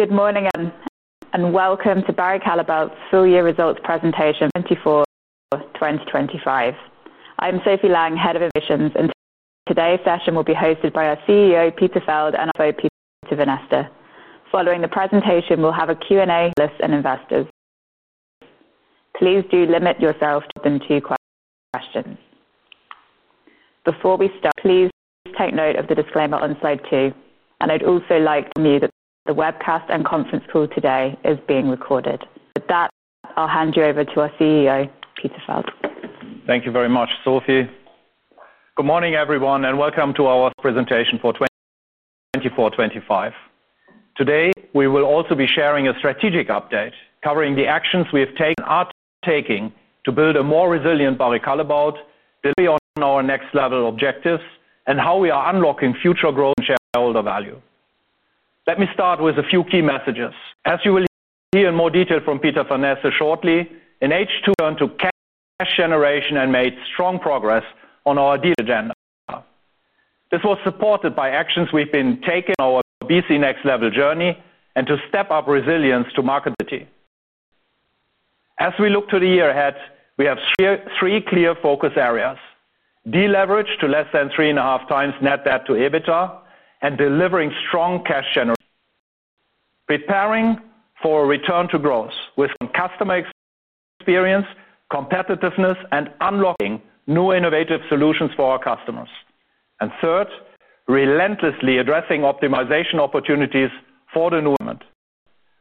Good morning and welcome to Barry Callebaut's full-year results presentation, 2024/2025. I'm Sophie Lang, Head of Investor Relations, and today's session will be hosted by our CEO, Peter Feld, and CFO Peter Vanneste. Following the presentation, we'll have a Q&A with analysts and investors. Please do limit yourself to no more than two questions. Before we start, please take note of the disclaimer on slide two, and I'd also like to tell you that the webcast and conference call today is being recorded. With that, I'll hand you over to our CEO, Peter Feld. Thank you very much, Sophie. Good morning, everyone, and welcome to our presentation for 2024/2025. Today, we will also be sharing a strategic update covering the actions we have taken and are taking to build a more resilient Barry Callebaut, delivering on our next-level objectives, and how we are unlocking future growth and shareholder value. Let me start with a few key messages. As you will hear in more detail from Peter Vanneste shortly, in H2, we turned to cash generation and made strong progress on our deal agenda. This was supported by actions we have been taking on our BC Next Level journey and to step up resilience to market. As we look to the year ahead, we have three clear focus areas: deleverage to less than 3.5x net debt to EBITDA, and delivering strong cash generation. Preparing for a return to growth with customer experience, competitiveness, and unlocking new innovative solutions for our customers. Third, relentlessly addressing optimization opportunities for the new government.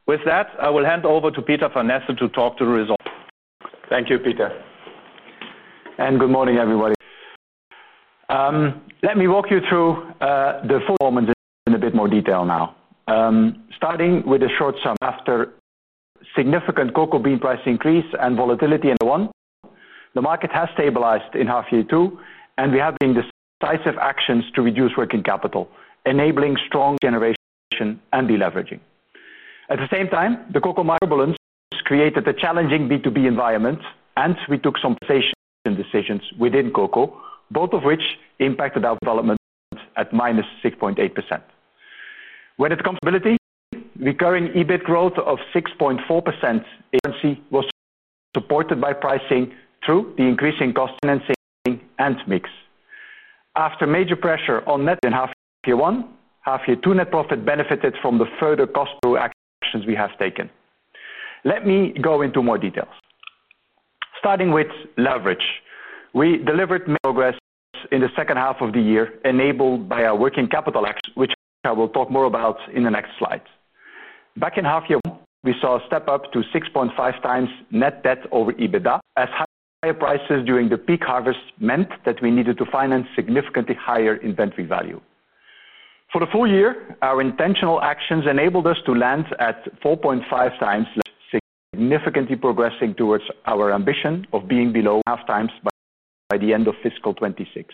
With that, I will hand over to Peter Vanneste to talk to the results. Thank you, Peter. And good morning, everybody. Let me walk you through the performance in a bit more detail now. Starting with a short summary, after significant cocoa bean price increase and volatility in 2021, the market has stabilized in half-year two, and we have been decisive actions to reduce working capital, enabling strong cash generation and deleveraging. At the same time, the cocoa microbalance created a challenging B2B environment, and we took some compensation decisions within cocoa, both of which impacted our development at -6.8%. When it comes to stability, recurring EBIT growth of 6.4% in currency was supported by pricing through the increasing cost financing and mix. After major pressure on net in half-year one, half-year two net profit benefited from the further cost actions we have taken. Let me go into more details. Starting with leverage, we delivered progress in the second half of the year, enabled by our working capital actions, which I will talk more about in the next slides. Back in half-year one, we saw a step up to 6.5x net debt over EBITDA, as higher prices during the peak harvest meant that we needed to finance significantly higher inventory value. For the full year, our intentional actions enabled us to land at 4.5x, significantly progressing towards our ambition of being below 0.5x by the end of fiscal 2026.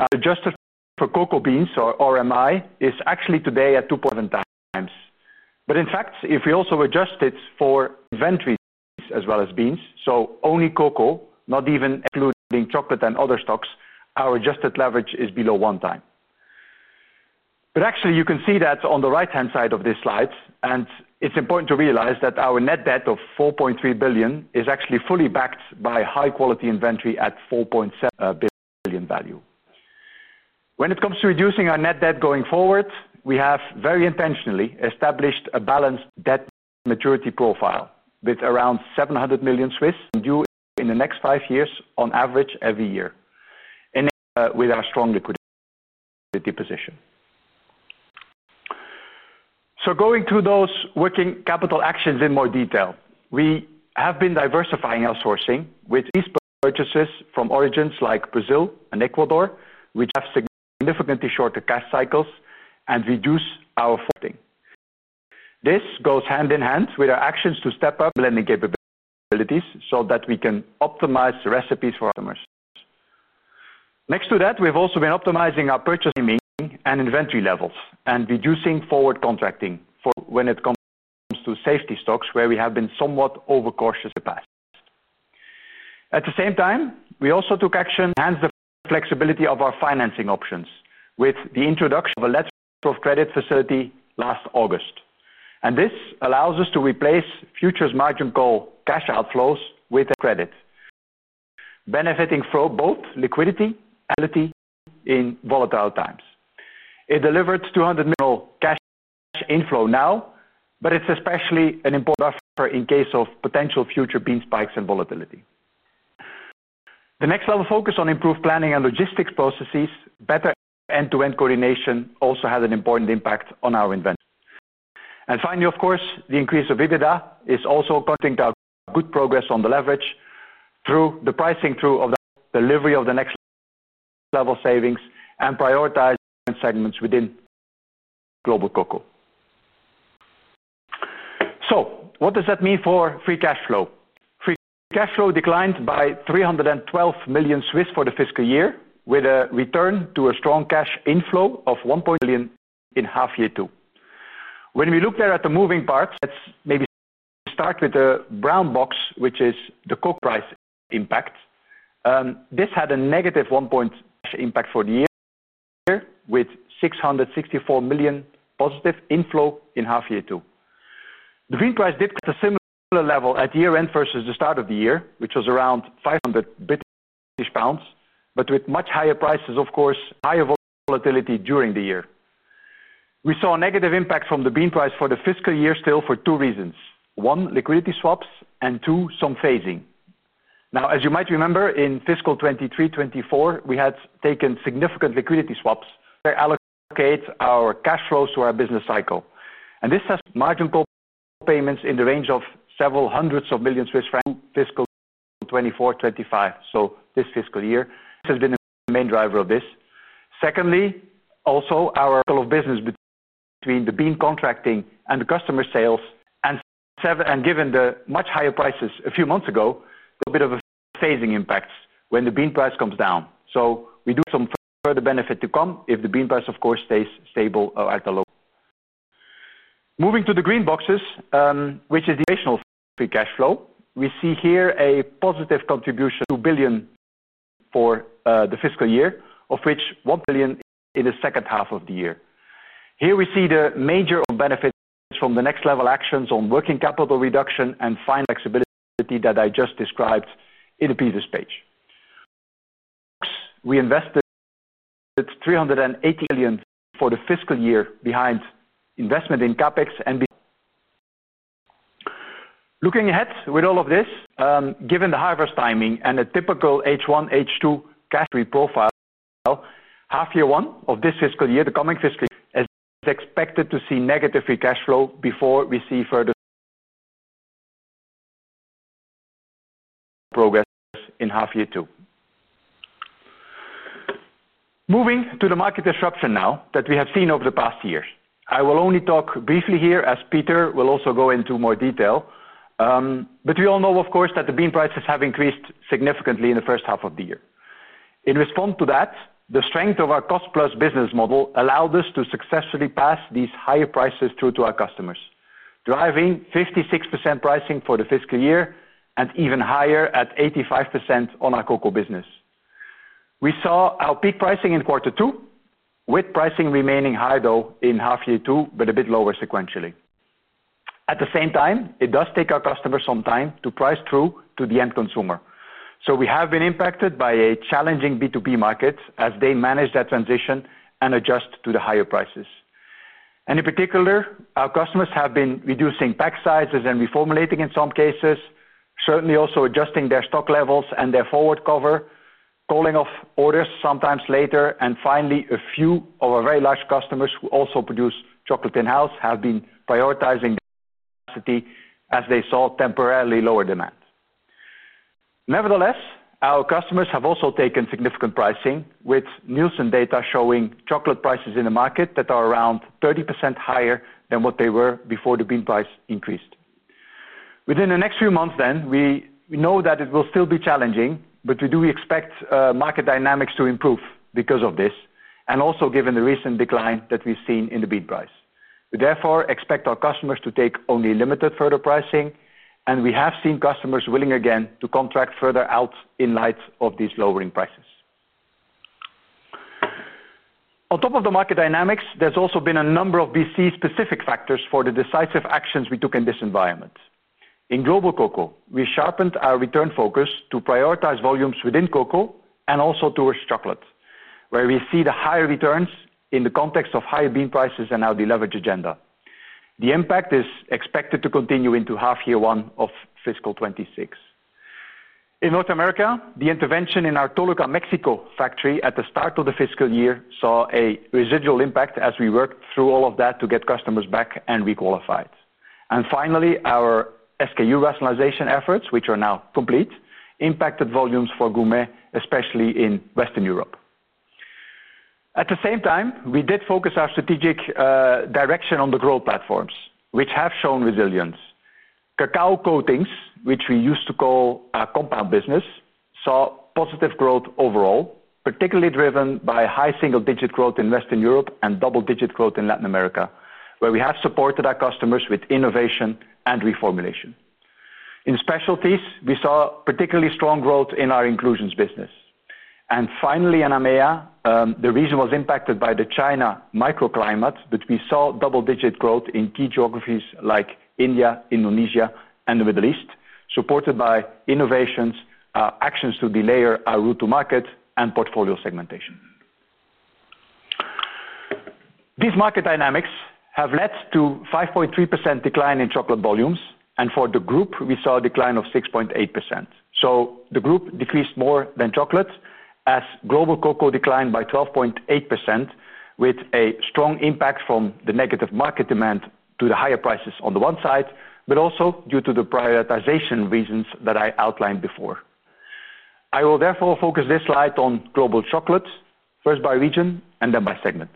Our adjusted for cocoa beans, or RMI, is actually today at 2.7x. In fact, if we also adjust it for inventories as well as beans, so only cocoa, not even including chocolate and other stocks, our adjusted leverage is below 1x. You can see that on the right-hand side of this slide, and it is important to realize that our net debt of 4.3 billion is actually fully backed by high-quality inventory at 4.7 billion value. When it comes to reducing our net debt going forward, we have very intentionally established a balanced debt maturity profile with around 700 million due in the next five years, on average every year, with our strong liquidity position. Going through those working capital actions in more detail, we have been diversifying our sourcing with these purchases from origins like Brazil and Ecuador, which have significantly shorter cash cycles and reduce our forward. This goes hand in hand with our actions to step up blending capabilities so that we can optimize the recipes for our customers. Next to that, we've also been optimizing our purchase timing and inventory levels and reducing forward contracting when it comes to safety stocks, where we have been somewhat overcautious in the past. At the same time, we also took action to enhance the flexibility of our financing options with the introduction of a letter of credit facility last August. This allows us to replace futures margin call cash outflows with credit, benefiting from both liquidity and ability in volatile times. It delivered 200 million cash inflow now, but it's especially an important buffer in case of potential future bean spikes and volatility. The next level focus on improved planning and logistics processes, better end-to-end coordination also had an important impact on our inventory. Finally, of course, the increase of EBITDA is also accounting for our good progress on the leverage through the pricing through of the delivery of the next level savings and prioritizing segments within global cocoa. What does that mean for free cash flow? Free cash flow declined by 312 million for the fiscal year, with a return to a strong cash inflow of 1.1 billion in half-year two. When we look there at the moving parts, let's maybe start with the brown box, which is the cocoa price impact. This had a negative 1.1 billion impact for the year, with 664 million positive inflow in half-year two. The bean price did cut to a similar level at year-end versus the start of the year, which was around 500 British pounds, but with much higher prices, of course, higher volatility during the year. We saw a negative impact from the bean price for the fiscal year still for two reasons: one, liquidity swaps, and two, some phasing. Now, as you might remember, in fiscal 2023/2024, we had taken significant liquidity swaps to allocate our cash flows to our business cycle. This has margin call payments in the range of several hundreds of million Swiss francs through fiscal 2024/2025, so this fiscal year, this has been the main driver of this. Secondly, also our cycle of business between the bean contracting and the customer sales, and given the much higher prices a few months ago, a bit of a phasing impact when the bean price comes down. We do have some further benefit to come if the bean price, of course, stays stable at the low. Moving to the green boxes, which is the operational free cash flow, we see here a positive contribution of 2 billion for the fiscal year, of which 1 billion in the second half of the year. Here we see the major benefits from the next-level actions on working capital reduction and finance flexibility that I just described in the previous page. We invested 380 million for the fiscal year behind investment in CapEx and beyond. Looking ahead with all of this, given the harvest timing and a typical H1, H2 cash free profile, half-year one of this fiscal year, the coming fiscal year, is expected to see negative free cash flow before we see further progress in half-year two. Moving to the market disruption now that we have seen over the past years. I will only talk briefly here, as Peter will also go into more detail. We all know, of course, that the bean prices have increased significantly in the first half of the year. In response to that, the strength of our cost-plus business model allowed us to successfully pass these higher prices through to our customers, driving 56% pricing for the fiscal year and even higher at 85% on our cocoa business. We saw our peak pricing in quarter two, with pricing remaining high, though, in half-year two, but a bit lower sequentially. At the same time, it does take our customers some time to price through to the end consumer. We have been impacted by a challenging B2B market as they manage that transition and adjust to the higher prices. In particular, our customers have been reducing pack sizes and reformulating in some cases, certainly also adjusting their stock levels and their forward cover, calling off orders sometimes later. Finally, a few of our very large customers who also produce chocolate in-house have been prioritizing capacity as they saw temporarily lower demand. Nevertheless, our customers have also taken significant pricing, with news and data showing chocolate prices in the market that are around 30% higher than what they were before the bean price increased. Within the next few months, we know that it will still be challenging, but we do expect market dynamics to improve because of this, and also given the recent decline that we have seen in the bean price. We therefore expect our customers to take only limited further pricing, and we have seen customers willing again to contract further out in light of these lowering prices. On top of the market dynamics, there has also been a number of BC-specific factors for the decisive actions we took in this environment. In global cocoa, we sharpened our return focus to prioritize volumes within cocoa and also towards chocolate, where we see the higher returns in the context of higher bean prices and our deleverage agenda. The impact is expected to continue into half-year one of fiscal 2026. In North America, the intervention in our Toluca, Mexico factory at the start of the fiscal year saw a residual impact as we worked through all of that to get customers back and requalified. Finally, our SKU rationalization efforts, which are now complete, impacted volumes for gourmet, especially in Western Europe. At the same time, we did focus our strategic direction on the growth platforms, which have shown resilience. Cacao coatings, which we used to call a compound business, saw positive growth overall, particularly driven by high single-digit growth in Western Europe and double-digit growth in Latin America, where we have supported our customers with innovation and reformulation. In specialties, we saw particularly strong growth in our inclusions business. Finally, in EMEA, the region was impacted by the China microclimate, but we saw double-digit growth in key geographies like India, Indonesia, and the Middle East, supported by innovations, actions to delay our route to market, and portfolio segmentation. These market dynamics have led to a 5.3% decline in chocolate volumes, and for the group, we saw a decline of 6.8%. The group decreased more than chocolate, as global cocoa declined by 12.8%, with a strong impact from the negative market demand to the higher prices on the one side, but also due to the prioritization reasons that I outlined before. I will therefore focus this slide on global chocolate, first by region and then by segment.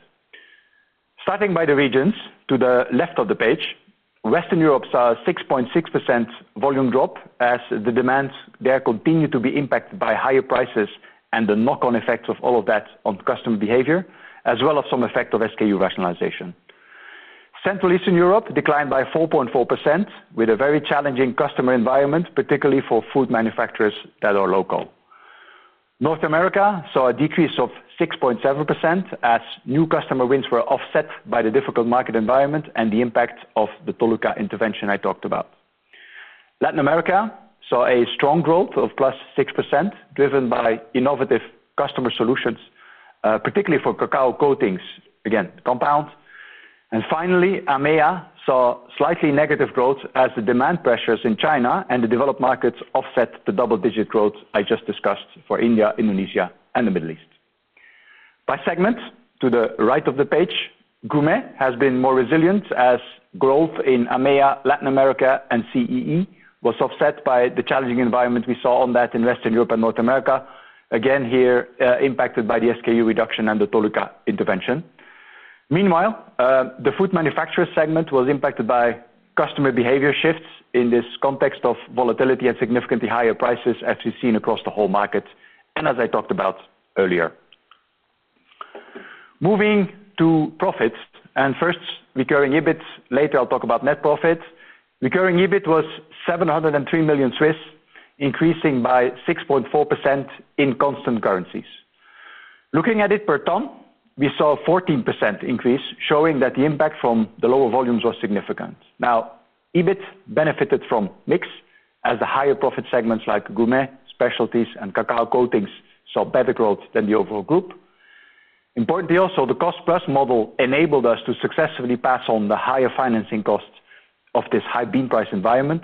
Starting by the regions, to the left of the page, Western Europe saw a 6.6% volume drop, as the demands there continue to be impacted by higher prices and the knock-on effects of all of that on customer behavior, as well as some effect of SKU rationalization. Central Eastern Europe declined by 4.4%, with a very challenging customer environment, particularly for food manufacturers that are local. North America saw a decrease of 6.7%, as new customer wins were offset by the difficult market environment and the impact of the Toluca intervention I talked about. Latin America saw a strong growth of plus 6%, driven by innovative customer solutions, particularly for cacao coatings, again, compound. Finally, EMEA saw slightly negative growth, as the demand pressures in China and the developed markets offset the double-digit growth I just discussed for India, Indonesia, and the Middle East. By segments, to the right of the page, gourmet has been more resilient, as growth in EMEA, Latin America, and CEE was offset by the challenging environment we saw on that in Western Europe and North America, again here impacted by the SKU reduction and the Toluca intervention. Meanwhile, the food manufacturer segment was impacted by customer behavior shifts in this context of volatility and significantly higher prices, as we've seen across the whole market, and as I talked about earlier. Moving to profits, and first recurring EBIT, later I'll talk about net profit. Recurring EBIT was 703 million, increasing by 6.4% in constant currencies. Looking at it per ton, we saw a 14% increase, showing that the impact from the lower volumes was significant. EBIT benefited from mix, as the higher profit segments like gourmet, specialties, and cacao coatings saw better growth than the overall group. Importantly also, the cost-plus model enabled us to successfully pass on the higher financing costs of this high bean price environment,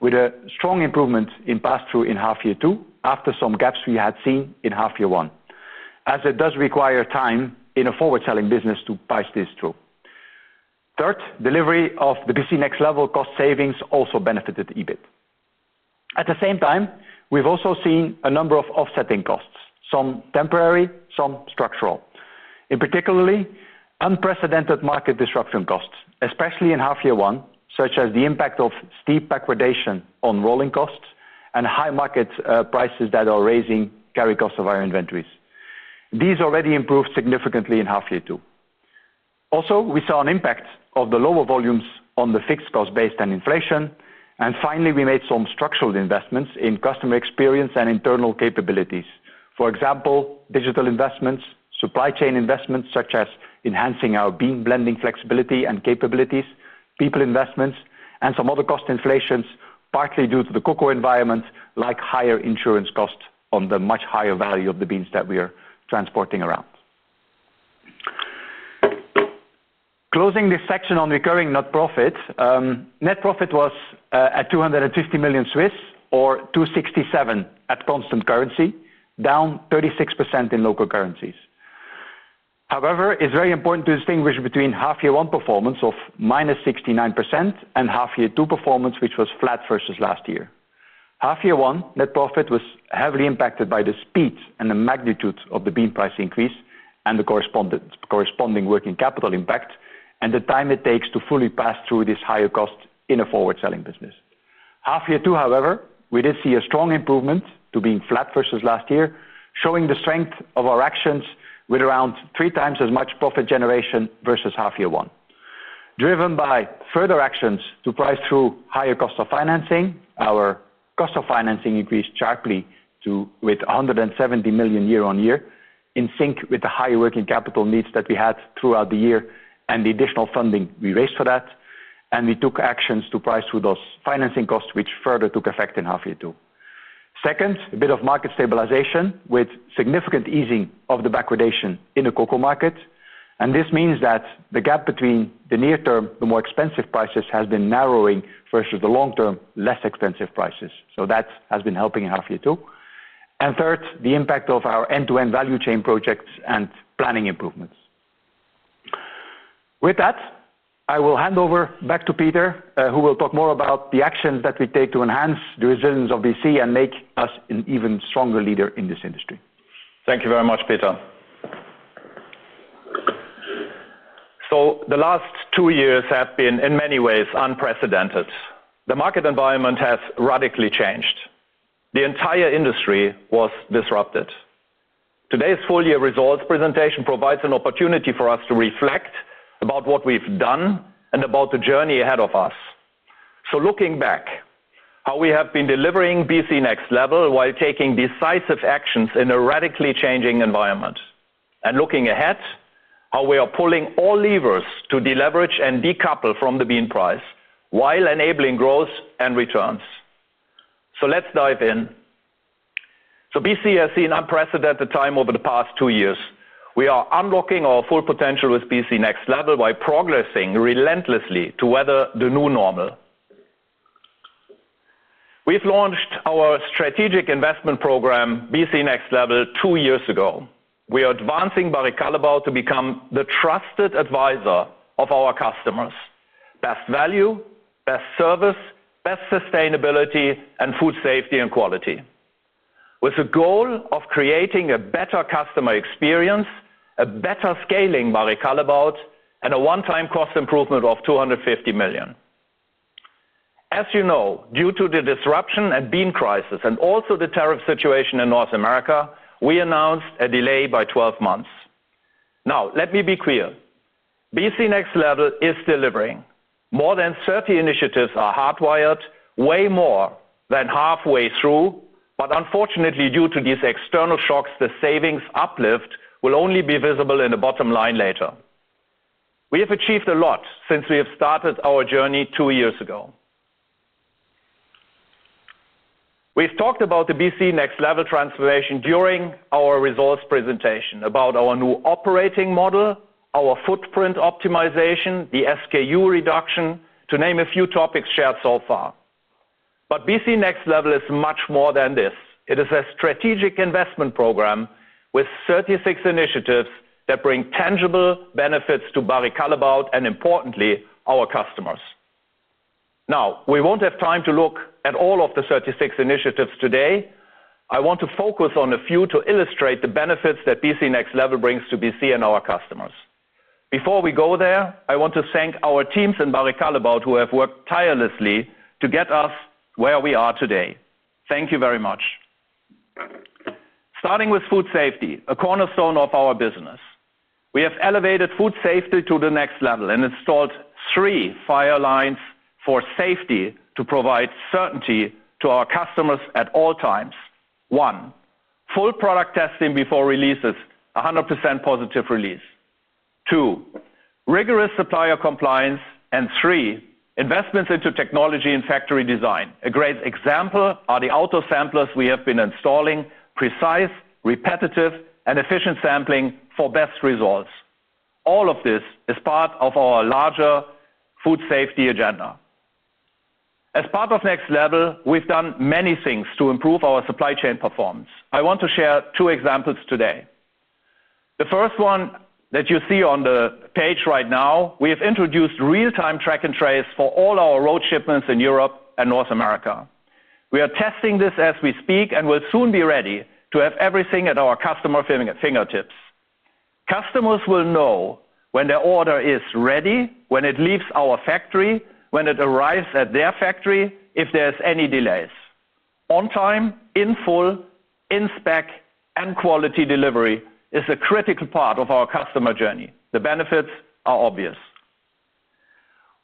with a strong improvement in pass-through in half-year two, after some gaps we had seen in half-year one, as it does require time in a forward-selling business to price this through. Third, delivery of the BC Next Level cost savings also benefited EBIT. At the same time, we have also seen a number of offsetting costs, some temporary, some structural. In particular, unprecedented market disruption costs, especially in half-year one, such as the impact of steep backwardation on rolling costs and high market prices that are raising carry costs of our inventories. These already improved significantly in half-year two. Also, we saw an impact of the lower volumes on the fixed cost base and on inflation. Finally, we made some structural investments in customer experience and internal capabilities. For example, digital investments, supply chain investments, such as enhancing our bean blending flexibility and capabilities, people investments, and some other cost inflations, partly due to the cocoa environment, like higher insurance costs on the much higher value of the beans that we are transporting around. Closing this section on recurring net profit, net profit was at 250 million or 267 million at constant currency, down 36% in local currencies. However, it is very important to distinguish between half-year one performance of -69% and half-year two performance, which was flat versus last year. Half-year one net profit was heavily impacted by the speed and the magnitude of the bean price increase and the corresponding working capital impact and the time it takes to fully pass through this higher cost in a forward-selling business. Half-year two, however, we did see a strong improvement to being flat versus last year, showing the strength of our actions with around 3x as much profit generation versus half-year one. Driven by further actions to price through higher cost of financing, our cost of financing increased sharply to 170 million year-on-year, in sync with the high working capital needs that we had throughout the year and the additional funding we raised for that. We took actions to price through those financing costs, which further took effect in half-year two. Second, a bit of market stabilization with significant easing of the backwardation in the cocoa market. This means that the gap between the near-term, the more expensive prices has been narrowing versus the long-term, less expensive prices. That has been helping in half-year two. Third, the impact of our end-to-end value chain projects and planning improvements. With that, I will hand over back to Peter, who will talk more about the actions that we take to enhance the resilience of BC and make us an even stronger leader in this industry. Thank you very much, Peter. The last two years have been, in many ways, unprecedented. The market environment has radically changed. The entire industry was disrupted. Today's full-year results presentation provides an opportunity for us to reflect about what we've done and about the journey ahead of us. Looking back, how we have been delivering BC Next Level while taking decisive actions in a radically changing environment. Looking ahead, how we are pulling all levers to deleverage and decouple from the bean price while enabling growth and returns. Let's dive in. BC has seen unprecedented time over the past two years. We are unlocking our full potential with BC Next Level by progressing relentlessly to weather the new normal. We've launched our strategic investment program, BC Next Level, two years ago. We are advancing Barry Callebaut to become the trusted advisor of our customers: best value, best service, best sustainability, and food safety and quality. With the goal of creating a better customer experience, a better scaling Barry Callebaut, and a one-time cost improvement of $250 million. As you know, due to the disruption and bean crisis, and also the tariff situation in North America, we announced a delay by 12 months. Now, let me be clear. BC Next Level is delivering. More than 30 initiatives are hardwired, way more than halfway through, but unfortunately, due to these external shocks, the savings uplift will only be visible in the bottom line later. We have achieved a lot since we have started our journey two years ago. We've talked about the BC Next Level transformation during our results presentation, about our new operating model, our footprint optimization, the SKU reduction, to name a few topics shared so far. BC Next Level is much more than this. It is a strategic investment program with 36 initiatives that bring tangible benefits to Barry Callebaut and, importantly, our customers. We won't have time to look at all of the 36 initiatives today. I want to focus on a few to illustrate the benefits that BC Next Level brings to BC and our customers. Before we go there, I want to thank our teams and Barry Callebaut who have worked tirelessly to get us where we are today. Thank you very much. Starting with food safety, a cornerstone of our business. We have elevated food safety to the next level and installed three fire lines for safety to provide certainty to our customers at all times. One, full product testing before releases, 100% positive release. Two, rigorous supplier compliance. Three, investments into technology and factory design. A great example are the auto samplers we have been installing, precise, repetitive, and efficient sampling for best results. All of this is part of our larger food safety agenda. As part of Next Level, we've done many things to improve our supply chain performance. I want to share two examples today. The first one that you see on the page right now, we have introduced real-time track and trace for all our road shipments in Europe and North America. We are testing this as we speak and will soon be ready to have everything at our customer fingertips. Customers will know when their order is ready, when it leaves our factory, when it arrives at their factory, if there's any delays. On time, in full, in spec, and quality delivery is a critical part of our customer journey. The benefits are obvious.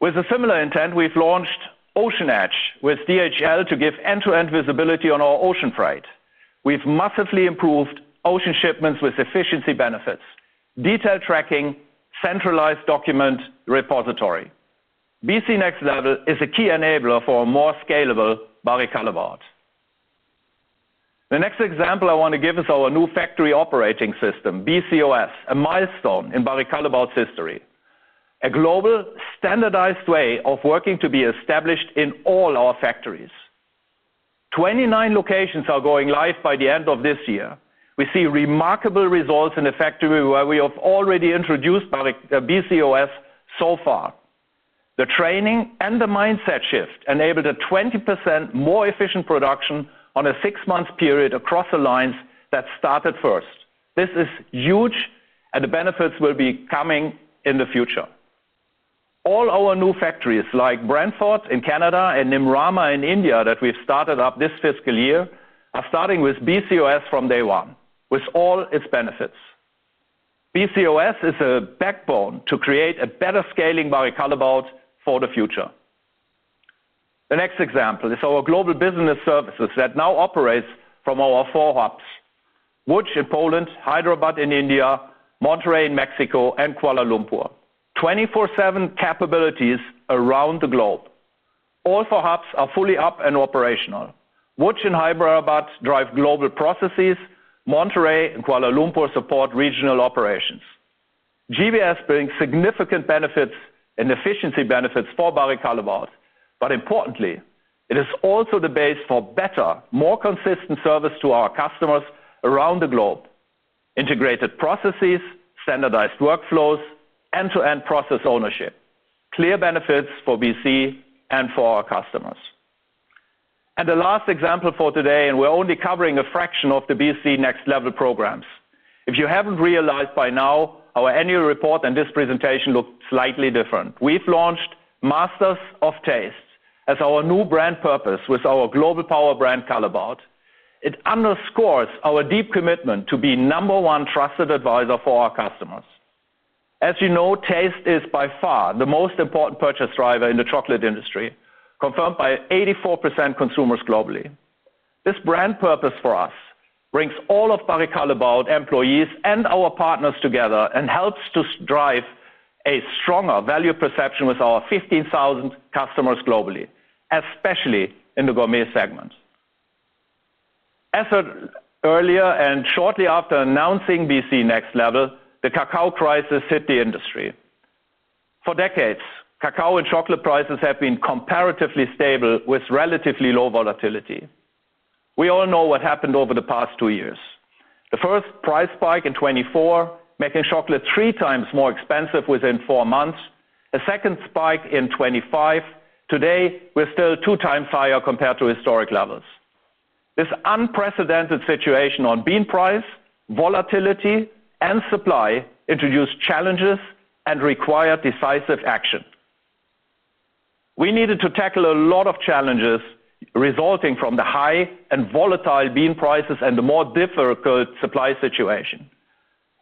With a similar intent, we've launched Ocean Edge with DHL to give end-to-end visibility on our ocean freight. We've massively improved ocean shipments with efficiency benefits, detail tracking, centralized document repository. BC Next Level is a key enabler for a more scalable Barry Callebaut. The next example I want to give is our new factory operating system, BCOS, a milestone in Barry Callebaut's history, a global standardized way of working to be established in all our factories. Twenty-nine locations are going live by the end of this year. We see remarkable results in a factory where we have already introduced BCOS so far. The training and the mindset shift enabled a 20% more efficient production on a six-month period across the lines that started first. This is huge, and the benefits will be coming in the future. All our new factories, like Brantford. In Canada and Neemrana in India that we've started up this fiscal year, are starting with BCOS from day one, with all its benefits. BCOS is a backbone to create a better scaling Barry Callebaut for the future. The next example is our global business services that now operates from our four hubs: Łódź in Poland, Hyderabad in India, Monterrey in Mexico, and Kuala Lumpur. 24/7 capabilities around the globe. All four hubs are fully up and operational. Łódź and Hyderabad drive global processes. Monterrey and Kuala Lumpur support regional operations. GBS brings significant benefits and efficiency benefits for Barry Callebaut. Importantly, it is also the base for better, more consistent service to our customers around the globe: integrated processes, standardized workflows, end-to-end process ownership. Clear benefits for BC and for our customers. The last example for today, and we're only covering a fraction of the BC Next Level programs. If you haven't realized by now, our annual report and this presentation look slightly different. We've launched Masters of Taste as our new brand purpose with our global power brand Callebaut. It underscores our deep commitment to be number one trusted advisor for our customers. As you know, taste is by far the most important purchase driver in the chocolate industry, confirmed by 84% consumers globally. This brand purpose for us brings all of Barry Callebaut employees and our partners together and helps to drive a stronger value perception with our 15,000 customers globally, especially in the gourmet segment. As said earlier and shortly after announcing BC Next Level, the cacao crisis hit the industry. For decades, cacao and chocolate prices have been comparatively stable with relatively low volatility. We all know what happened over the past two years. The first price spike in 2024, making chocolate 3x more expensive within four months. A second spike in 2025. Today, we're still two times higher compared to historic levels. This unprecedented situation on bean price, volatility, and supply introduced challenges and required decisive action. We needed to tackle a lot of challenges resulting from the high and volatile bean prices and the more difficult supply situation.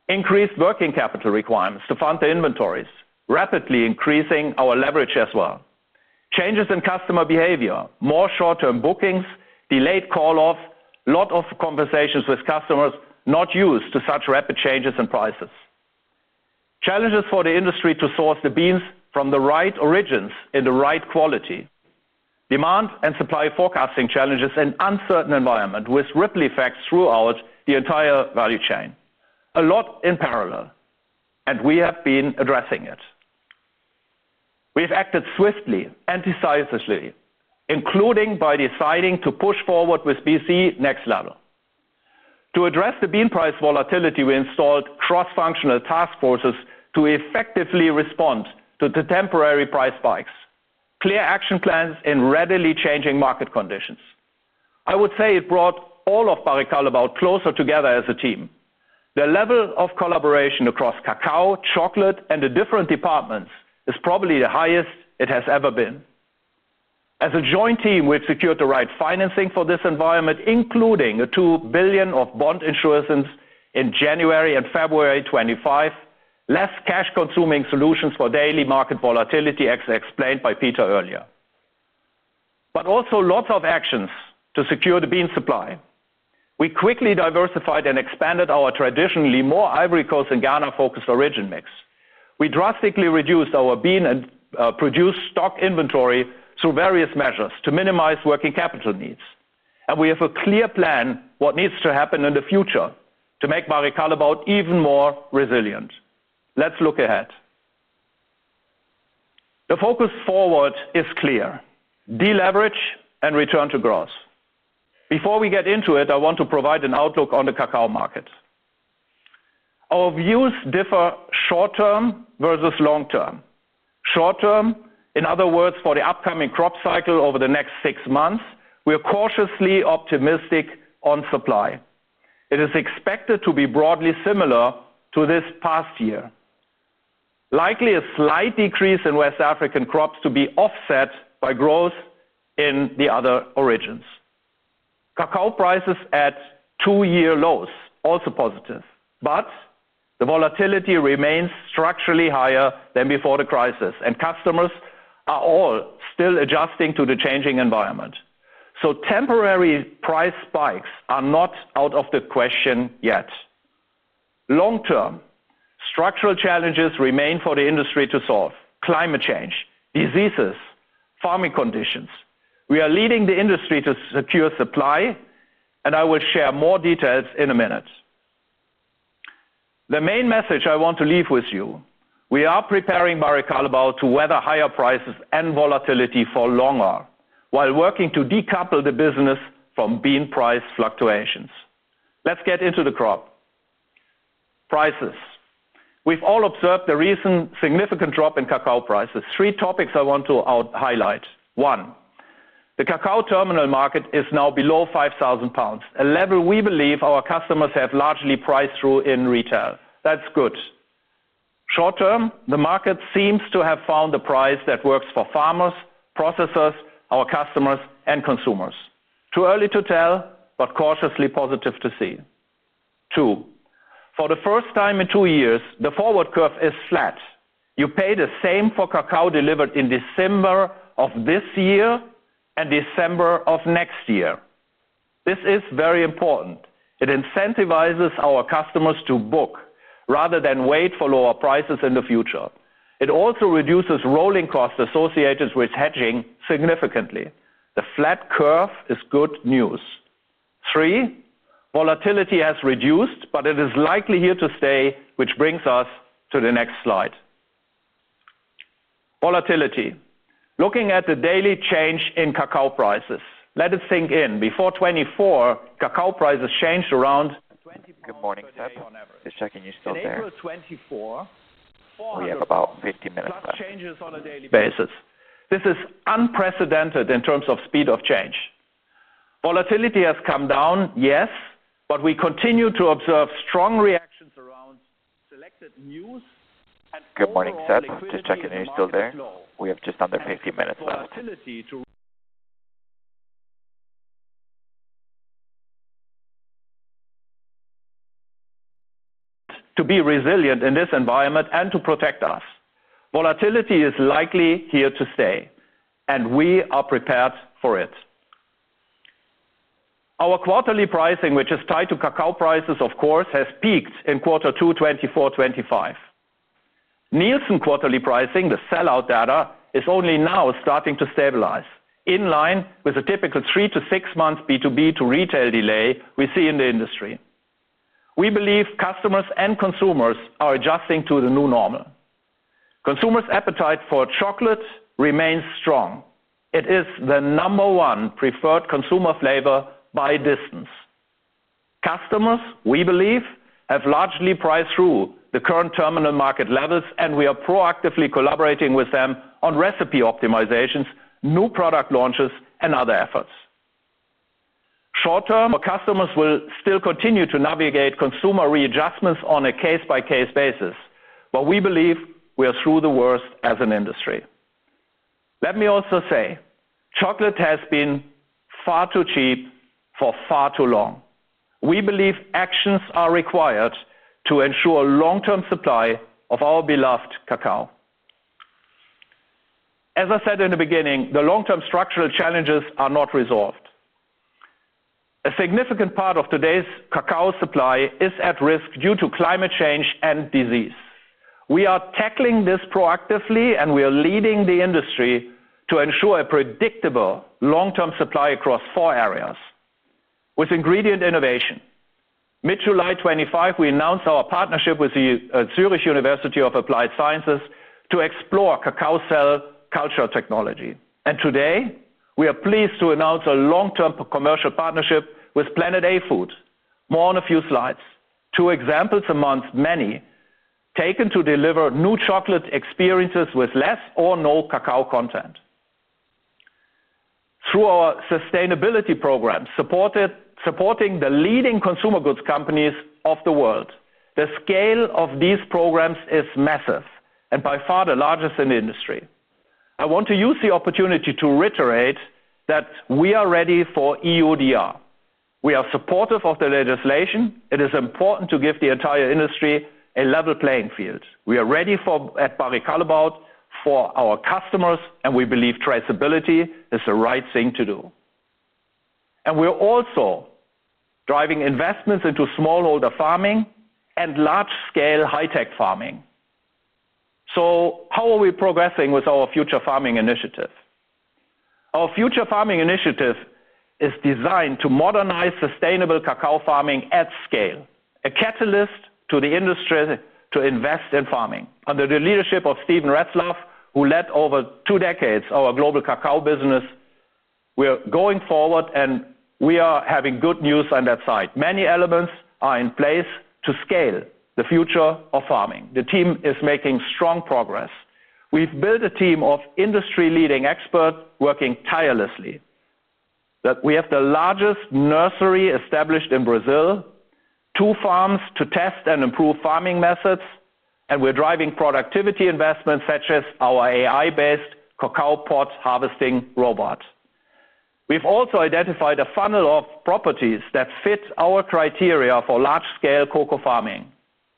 Increased working capital requirements to fund the inventories, rapidly increasing our leverage as well. Changes in customer behavior, more short-term bookings, delayed call-offs, a lot of conversations with customers not used to such rapid changes in prices. Challenges for the industry to source the beans from the right origins in the right quality. Demand and supply forecasting challenges in an uncertain environment with ripple effects throughout the entire value chain. A lot in parallel, and we have been addressing it. We've acted swiftly and decisively, including by deciding to push forward with BC Next Level. To address the bean price volatility, we installed cross-functional task forces to effectively respond to the temporary price spikes. Clear action plans in readily changing market conditions. I would say it brought all of Barry Callebaut closer together as a team. The level of collaboration across cacao, chocolate, and the different departments is probably the highest it has ever been. As a joint team, we've secured the right financing for this environment, including a 2 billion of bond insurances in January and February 2025, less cash-consuming solutions for daily market volatility, as explained by Peter earlier. Also, lots of actions to secure the bean supply. We quickly diversified and expanded our traditionally more Ivory Coast and Ghana-focused origin mix. We drastically reduced our bean and produced stock inventory through various measures to minimize working capital needs. We have a clear plan of what needs to happen in the future to make Barry Callebaut even more resilient. Let's look ahead. The focus forward is clear: deleverage and return to growth. Before we get into it, I want to provide an outlook on the cacao market. Our views differ short-term versus long-term. Short-term, in other words, for the upcoming crop cycle over the next six months, we are cautiously optimistic on supply. It is expected to be broadly similar to this past year. Likely a slight decrease in West African crops to be offset by growth in the other origins. Cacao prices at two-year lows are also positive, but the volatility remains structurally higher than before the crisis, and customers are all still adjusting to the changing environment. Temporary price spikes are not out of the question yet. Long-term, structural challenges remain for the industry to solve: climate change, diseases, farming conditions. We are leading the industry to secure supply, and I will share more details in a minute. The main message I want to leave with you: we are preparing Barry Callebaut to weather higher prices and volatility for longer while working to decouple the business from bean price fluctuations. Let's get into the crop. Prices. We've all observed the recent significant drop in cacao prices. Three topics I want to highlight. One, the cacao terminal market is now below 5,000 pounds, a level we believe our customers have largely priced through in retail. That's good. Short-term, the market seems to have found the price that works for farmers, processors, our customers, and consumers. Too early to tell, but cautiously positive to see. Two, for the first time in two years, the forward curve is flat. You pay the same for cacao delivered in December of this year and December of next year. This is very important. It incentivizes our customers to book rather than wait for lower prices in the future. It also reduces rolling costs associated with hedging significantly. The flat curve is good news. Three, volatility has reduced, but it is likely here to stay, which brings us to the next slide. Volatility. Looking at the daily change in cacao prices, let it sink in. Before 2024, cacao prices changed around. Good morning, Feld. Just checking you still there. April 2024. We have about 15 minutes left. Changes on a daily basis. This is unprecedented in terms of speed of change. Volatility has come down, yes, but we continue to observe strong reactions around selected news and. Good morning, Feld. Just checking you still there. We have just under 15 minutes left. To be resilient in this environment and to protect us. Volatility is likely here to stay, and we are prepared for it. Our quarterly pricing, which is tied to cacao prices, of course, has peaked in quarter two, 2024/2025. Nielsen quarterly pricing, the sellout data, is only now starting to stabilize, in line with the typical three to six months B2B to retail delay we see in the industry. We believe customers and consumers are adjusting to the new normal. Consumers' appetite for chocolate remains strong. It is the number one preferred consumer flavor by distance. Customers, we believe, have largely priced through the current terminal market levels, and we are proactively collaborating with them on recipe optimizations, new product launches, and other efforts. Short-term, our customers will still continue to navigate consumer readjustments on a case-by-case basis, but we believe we are through the worst as an industry. Let me also say, chocolate has been far too cheap for far too long. We believe actions are required to ensure long-term supply of our beloved cacao. As I said in the beginning, the long-term structural challenges are not resolved. A significant part of today's cacao supply is at risk due to climate change and disease. We are tackling this proactively, and we are leading the industry to ensure a predictable long-term supply across four areas with ingredient innovation. In mid-July 2025, we announced our partnership with the Zurich University of Applied Sciences to explore cacao cell culture technology. Today, we are pleased to announce a long-term commercial partnership with Planet A Foods. More on that in a few slides. Two examples among many taken to deliver new chocolate experiences with less or no cacao content. Through our sustainability programs, supporting the leading consumer goods companies of the world. The scale of these programs is massive and by far the largest in the industry. I want to use the opportunity to reiterate that we are ready for EUDR. We are supportive of the legislation. It is important to give the entire industry a level playing field. We are ready at Barry Callebaut for our customers, and we believe traceability is the right thing to do. We are also driving investments into smallholder farming and large-scale high-tech farming. How are we progressing with our future farming initiative? Our future farming initiative is designed to modernize sustainable cacao farming at scale, a catalyst to the industry to invest in farming. Under the leadership of Steven Retzlaff, who led for over two decades our global cacao business, we are going forward, and we are having good news on that side. Many elements are in place to scale the future of farming. The team is making strong progress. We have built a team of industry-leading experts working tirelessly. We have the largest nursery established in Brazil, two farms to test and improve farming methods, and we are driving productivity investments such as our AI-based cacao pod harvesting robot. We have also identified a funnel of properties that fit our criteria for large-scale cocoa farming.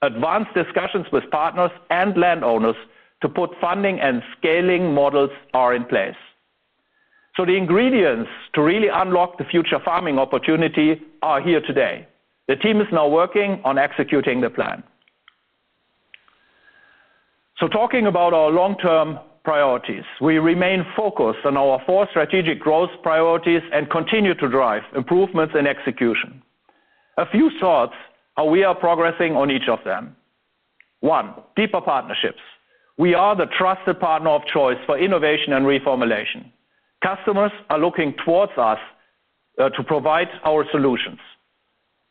Advanced discussions with partners and landowners to put funding and scaling models are in place. The ingredients to really unlock the future farming opportunity are here today. The team is now working on executing the plan. Talking about our long-term priorities, we remain focused on our four strategic growth priorities and continue to drive improvements in execution. A few thoughts on how we are progressing on each of them. One, deeper partnerships. We are the trusted partner of choice for innovation and reformulation. Customers are looking towards us to provide our solutions.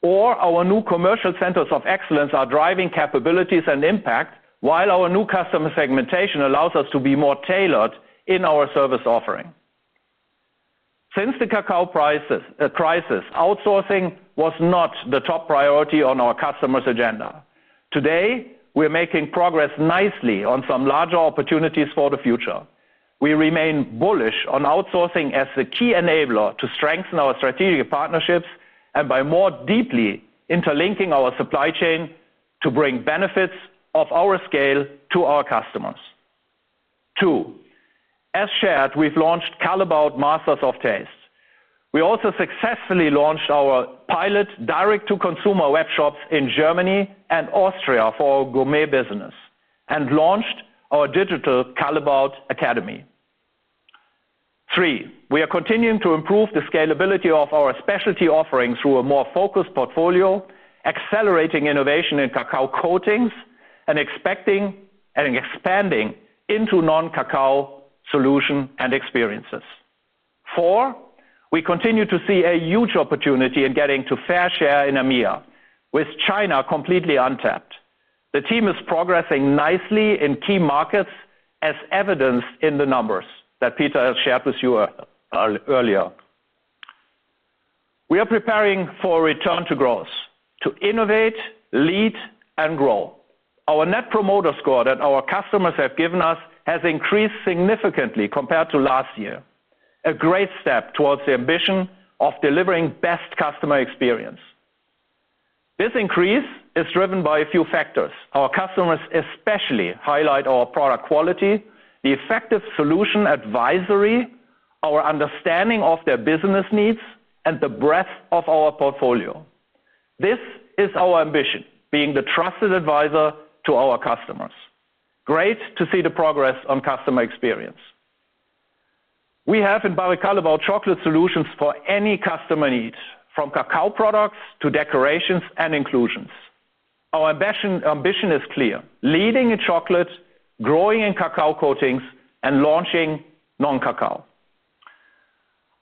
Our new commercial centers of excellence are driving capabilities and impact, while our new customer segmentation allows us to be more tailored in our service offering. Since the cacao crisis, outsourcing was not the top priority on our customers' agenda. Today, we are making progress nicely on some larger opportunities for the future. We remain bullish on outsourcing as the key enabler to strengthen our strategic partnerships and by more deeply interlinking our supply chain to bring benefits of our scale to our customers. Two, as shared, we've launched Callebaut Masters of Taste. We also successfully launched our pilot direct-to-consumer web shops in Germany and Austria for our gourmet business and launched our digital Callebaut Academy. Three, we are continuing to improve the scalability of our specialty offering through a more focused portfolio, accelerating innovation in cacao coatings and expecting and expanding into non-cacao solutions and experiences. Four, we continue to see a huge opportunity in getting to fair share in EMEA, with China completely untapped. The team is progressing nicely in key markets, as evidenced in the numbers that Peter has shared with you earlier. We are preparing for a return to growth, to innovate, lead, and grow. Our net promoter score that our customers have given us has increased significantly compared to last year, a great step towards the ambition of delivering best customer experience. This increase is driven by a few factors. Our customers especially highlight our product quality, the effective solution advisory, our understanding of their business needs, and the breadth of our portfolio. This is our ambition, being the trusted advisor to our customers. Great to see the progress on customer experience. We have in Barry Callebaut chocolate solutions for any customer need, from cacao products to decorations and inclusions. Our ambition is clear: leading in chocolate, growing in cacao coatings, and launching non-cacao.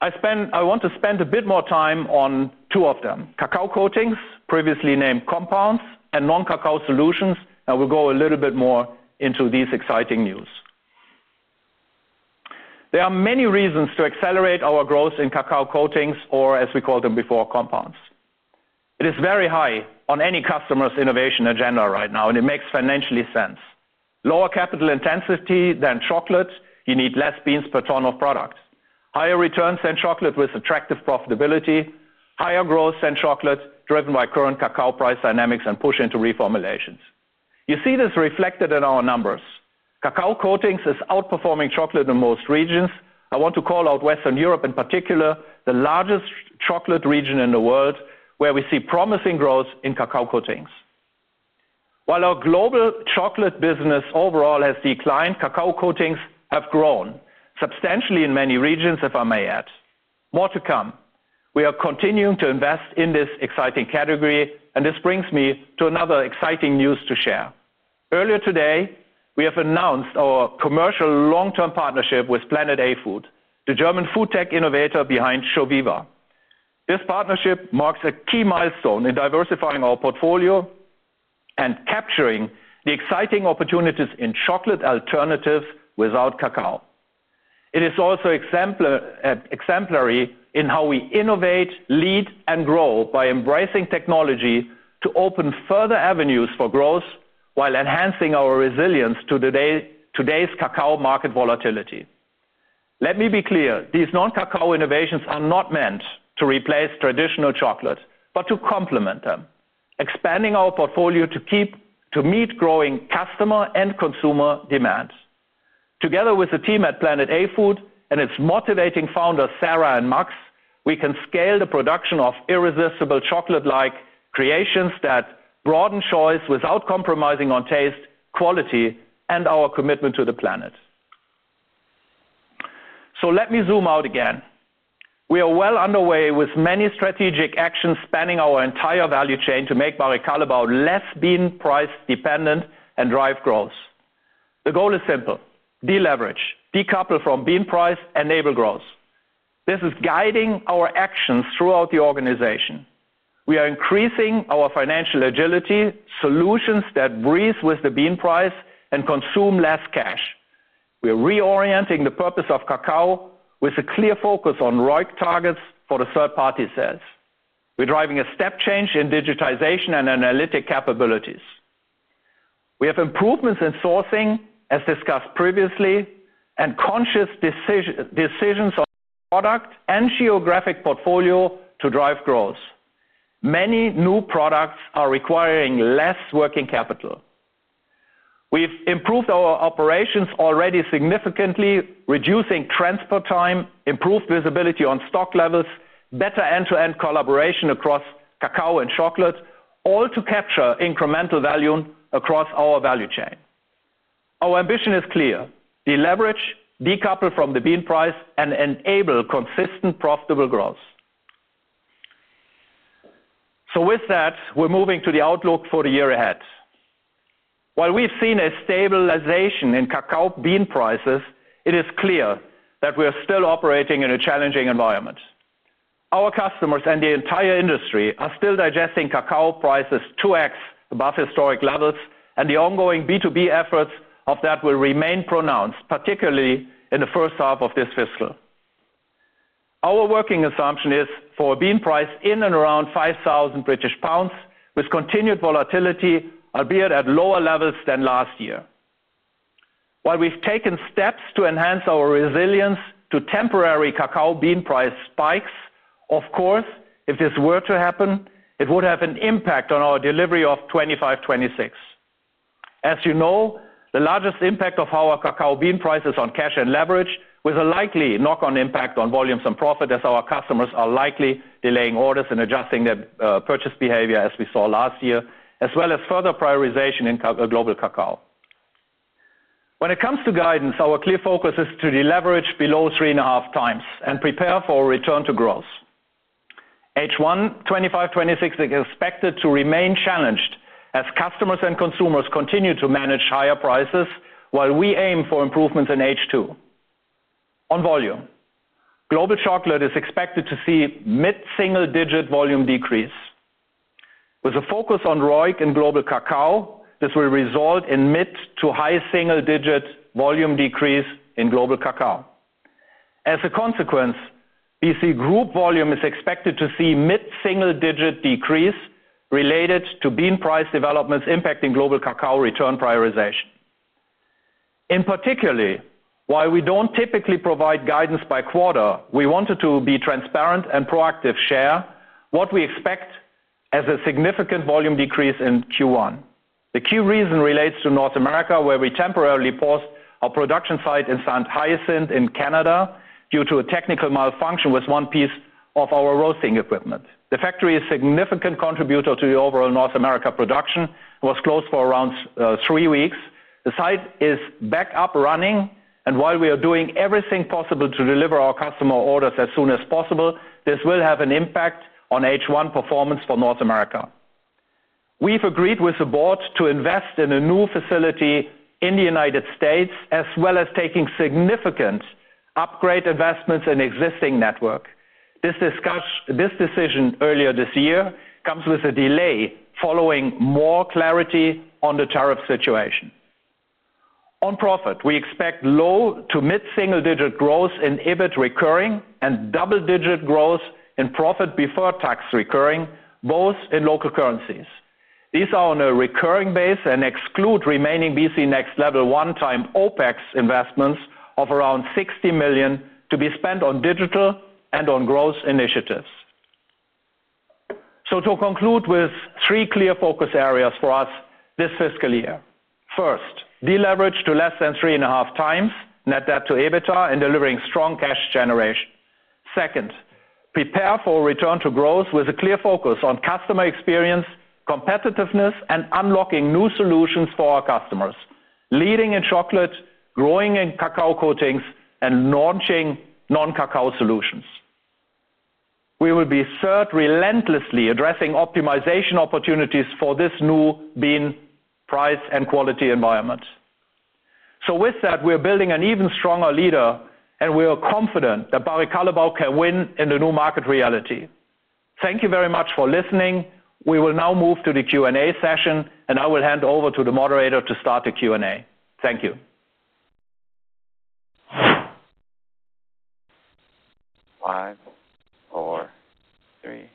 I want to spend a bit more time on two of them: cacao coatings, previously named compounds, and non-cacao solutions. I will go a little bit more into these exciting news. There are many reasons to accelerate our growth in cacao coatings, or as we called them before, compounds. It is very high on any customer's innovation agenda right now, and it makes financially sense. Lower capital intensity than chocolate, you need less beans per ton of product. Higher returns than chocolate with attractive profitability. Higher growth than chocolate, driven by current cacao price dynamics and push into reformulations. You see this reflected in our numbers. Cacao coatings are outperforming chocolate in most regions. I want to call out Western Europe in particular, the largest chocolate region in the world, where we see promising growth in cacao coatings. While our global chocolate business overall has declined, cacao coatings have grown substantially in many regions, if I may add. More to come. We are continuing to invest in this exciting category, and this brings me to another exciting news to share. Earlier today, we have announced our commercial long-term partnership with Planet A Foods, the German food tech innovator behind ChoViva. This partnership marks a key milestone in diversifying our portfolio and capturing the exciting opportunities in chocolate alternatives without cacao. It is also exemplary in how we innovate, lead, and grow by embracing technology to open further avenues for growth while enhancing our resilience to today's cacao market volatility. Let me be clear. These non-cacao innovations are not meant to replace traditional chocolate, but to complement them, expanding our portfolio to meet growing customer and consumer demands. Together with the team at Planet A Foods and its motivating founders, Sara and Max, we can scale the production of irresistible chocolate-like creations that broaden choice without compromising on taste, quality, and our commitment to the planet. Let me zoom out again. We are well underway with many strategic actions spanning our entire value chain to make Barry Callebaut less bean-price dependent and drive growth. The goal is simple: deleverage, decouple from bean price, enable growth. This is guiding our actions throughout the organization. We are increasing our financial agility, solutions that breathe with the bean price and consume less cash. We are reorienting the purpose of cacao with a clear focus on ROIC targets for the third-party sales. We are driving a step change in digitization and analytic capabilities. We have improvements in sourcing, as discussed previously, and conscious decisions on product and geographic portfolio to drive growth. Many new products are requiring less working capital. We have improved our operations already significantly, reducing transport time, improved visibility on stock levels, better end-to-end collaboration across cacao and chocolate, all to capture incremental value across our value chain. Our ambition is clear: deleverage, decouple from the bean price, and enable consistent, profitable growth. We are moving to the outlook for the year ahead. While we have seen a stabilization in cacao bean prices, it is clear that we are still operating in a challenging environment. Our customers and the entire industry are still digesting cacao prices 2x above historic levels, and the ongoing B2B efforts of that will remain pronounced, particularly in the first half of this fiscal. Our working assumption is for a bean price in and around 5,000 British pounds, with continued volatility, albeit at lower levels than last year. While we have taken steps to enhance our resilience to temporary cacao bean price spikes, of course, if this were to happen, it would have an impact on our delivery of 2025/2026. As you know, the largest impact of our cacao bean price is on cash and leverage, with a likely knock-on impact on volumes and profit, as our customers are likely delaying orders and adjusting their purchase behavior, as we saw last year, as well as further prioritization in global cacao. When it comes to guidance, our clear focus is to deleverage below 3.5x and prepare for a return to growth. H1 2025/2026 is expected to remain challenged as customers and consumers continue to manage higher prices, while we aim for improvements in H2. On volume, global chocolate is expected to see mid-single digit volume decrease. With a focus on ROIC in global cacao, this will result in mid- to high-single digit volume decrease in global cacao. As a consequence, BC Group volume is expected to see mid-single digit decrease related to bean price developments impacting global cacao return prioritization. In particular, while we do not typically provide guidance by quarter, we wanted to be transparent and proactively share what we expect as a significant volume decrease in Q1. The key reason relates to North America, where we temporarily paused our production site in St. Hyacinthe in Canada due to a technical malfunction with one piece of our roasting equipment. The factory is a significant contributor to the overall North America production. It was closed for around three weeks. The site is back up and running, and while we are doing everything possible to deliver our customer orders as soon as possible, this will have an impact on H1 performance for North America. We have agreed with the board to invest in a new facility in the United States, as well as taking significant upgrade investments in the existing network. This decision earlier this year comes with a delay following more clarity on the tariff situation. On profit, we expect low- to mid-single digit growth in EBIT recurring and double-digit growth in profit before tax recurring, both in local currencies. These are on a recurring base and exclude remaining BC Next Level one-time OpEx investments of around 60 million to be spent on digital and on growth initiatives. To conclude with three clear focus areas for us this fiscal year. First, deleverage to less than 3.5x net debt to EBITDA, and delivering strong cash generation. Second, prepare for return to growth with a clear focus on customer experience, competitiveness, and unlocking new solutions for our customers, leading in chocolate, growing in cacao coatings, and launching non-cacao solutions. We will be third, relentlessly addressing optimization opportunities for this new bean price and quality environment. With that, we are building an even stronger leader, and we are confident that Barry Callebaut can win in the new market reality. Thank you very much for listening. We will now move to the Q&A session, and I will hand over to the moderator to start the Q&A. Thank you. Five, four, three,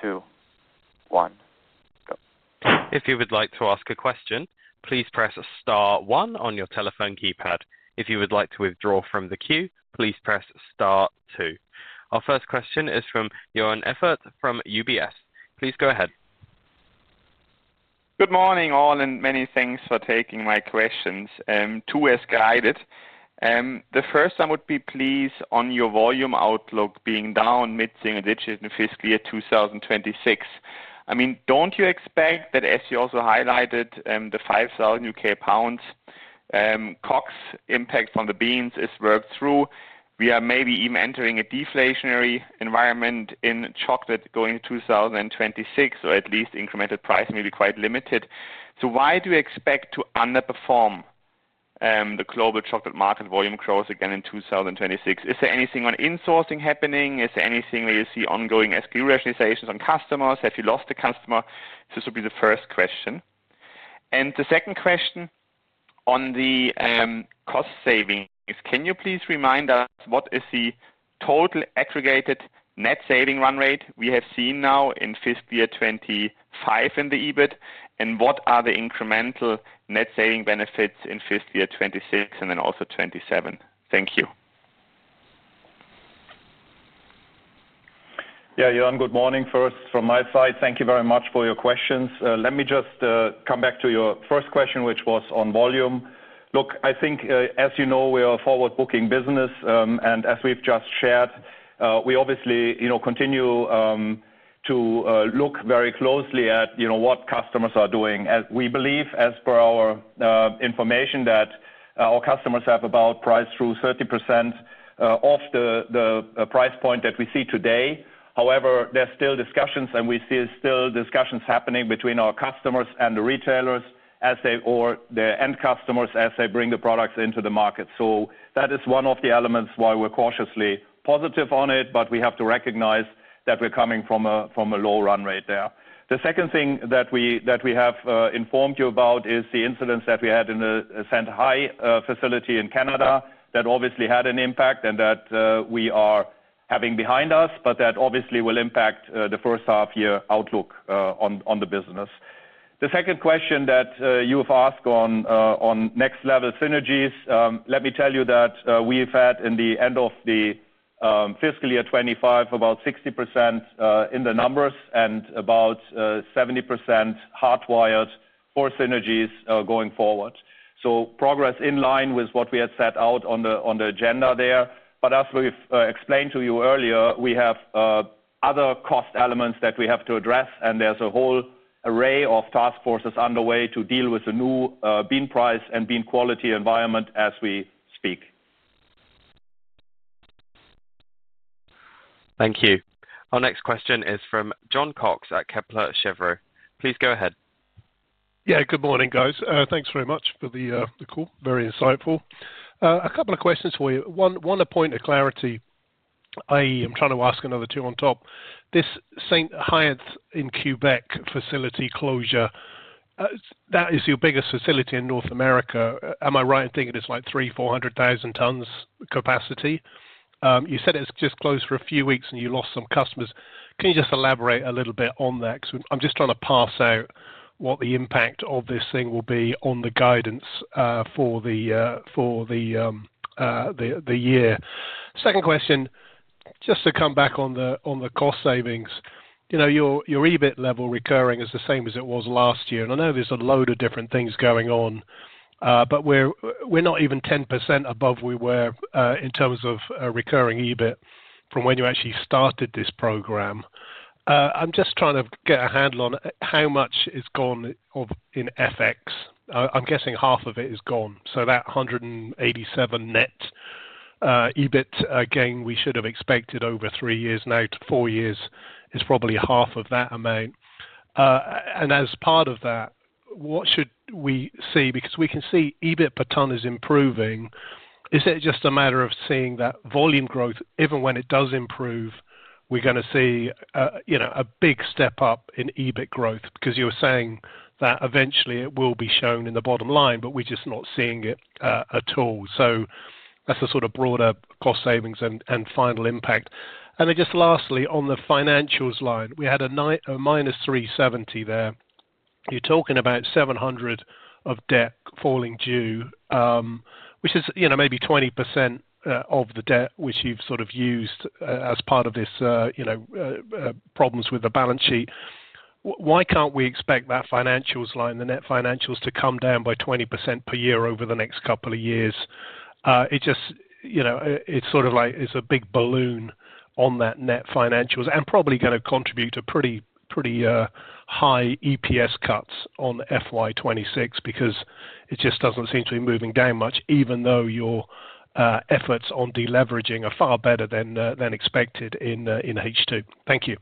two, one, go. If you would like to ask a question, please press star one on your telephone keypad. If you would like to withdraw from the queue, please press star two. Our first question is from Joern Iffert from UBS. Please go ahead. Good morning all, and many thanks for taking my questions. Two as guided. The first one would be please on your volume outlook being down mid-single digit in fiscal year 2026. I mean, do not you expect that, as you also highlighted, the 5,000 pounds. Cost impact from the beans is worked through. We are maybe even entering a deflationary environment in chocolate going to 2026, or at least incremental price may be quite limited. So why do you expect to underperform the global chocolate market volume growth again in 2026? Is there anything on in-sourcing happening? Is there anything where you see ongoing SKU rationalizations on customers? Have you lost a customer? This would be the first question. The second question on the cost savings, can you please remind us what is the total aggregated net saving run rate we have seen now in fiscal year 2025 in the EBIT, and what are the incremental net saving benefits in fiscal year 2026 and then also 2027? Thank you. Yeah, Joern, good morning. First, from my side, thank you very much for your questions. Let me just come back to your first question, which was on volume. Look, I think, as you know, we are a forward-booking business, and as we've just shared, we obviously continue to look very closely at what customers are doing. We believe, as per our information, that our customers have about priced through 30% of the price point that we see today. However, there are still discussions, and we see still discussions happening between our customers and the retailers or the end customers as they bring the products into the market. That is one of the elements why we're cautiously positive on it, but we have to recognize that we're coming from a low run rate there. The second thing that we have informed you about is the incidents that we had in a St. Hyacinthe facility in Canada that obviously had an impact and that we are having behind us, but that obviously will impact the first half-year outlook on the business. The second question that you've asked on Next Level Synergies, let me tell you that we've had, in the end of the fiscal year 2025, about 60% in the numbers and about 70% hard-wired for synergies going forward. Progress in line with what we had set out on the agenda there. As we've explained to you earlier, we have other cost elements that we have to address, and there's a whole array of task forces underway to deal with the new bean price and bean quality environment as we speak. Thank you. Our next question is from Jon Cox at Kepler Cheuvreux. Please go ahead. Yeah, good morning, guys. Thanks very much for the call. Very insightful. A couple of questions for you. One, a point of clarity. I am trying to ask another two on top. This St. Hyacinthe in Quebec facility closure, that is your biggest facility in North America. Am I right in thinking it's like 300,000 tons-400,000 tons capacity? You said it's just closed for a few weeks, and you lost some customers. Can you just elaborate a little bit on that? Because I'm just trying to parse out what the impact of this thing will be on the guidance for the year. Second question, just to come back on the cost savings. Your EBIT level recurring is the same as it was last year. I know there's a load of different things going on. We're not even 10% above where we were in terms of recurring EBIT from when you actually started this program. I'm just trying to get a handle on how much is gone in FX. I'm guessing half of it is gone. That 187 net EBIT gain we should have expected over three years now to four years is probably half of that amount. As part of that, what should we see? We can see EBIT per ton is improving. Is it just a matter of seeing that volume growth? Even when it does improve, we're going to see a big step up in EBIT growth because you're saying that eventually it will be shown in the bottom line, but we're just not seeing it at all. That's a sort of broader cost savings and final impact. Lastly, on the financials line, we had a minus 370 there. You're talking about 700 of debt falling due, which is maybe 20% of the debt which you've sort of used as part of this. Problems with the balance sheet. Why can't we expect that financials line, the net financials, to come down by 20% per year over the next couple of years? It's sort of like it's a big balloon on that net financials and probably going to contribute to pretty high EPS cuts on FY 2026 because it just doesn't seem to be moving down much, even though your efforts on deleveraging are far better than expected in H2. Thank you.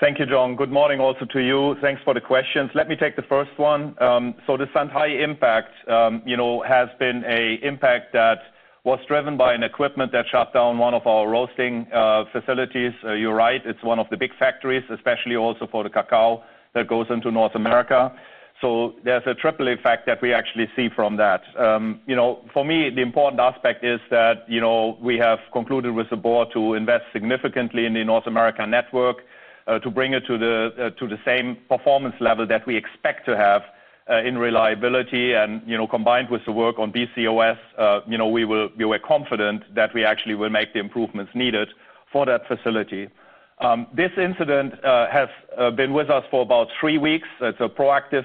Thank you, Jon. Good morning also to you. Thanks for the questions. Let me take the first one. The St. Hyacinthe impact has been an impact that was driven by an equipment that shut down one of our roasting facilities. You're right. It's one of the big factories, especially also for the cacao that goes into North America. There's a triple effect that we actually see from that. For me, the important aspect is that we have concluded with the board to invest significantly in the North America network to bring it to the same performance level that we expect to have in reliability. Combined with the work on BCOS, we were confident that we actually will make the improvements needed for that facility. This incident has been with us for about three weeks. It's a proactive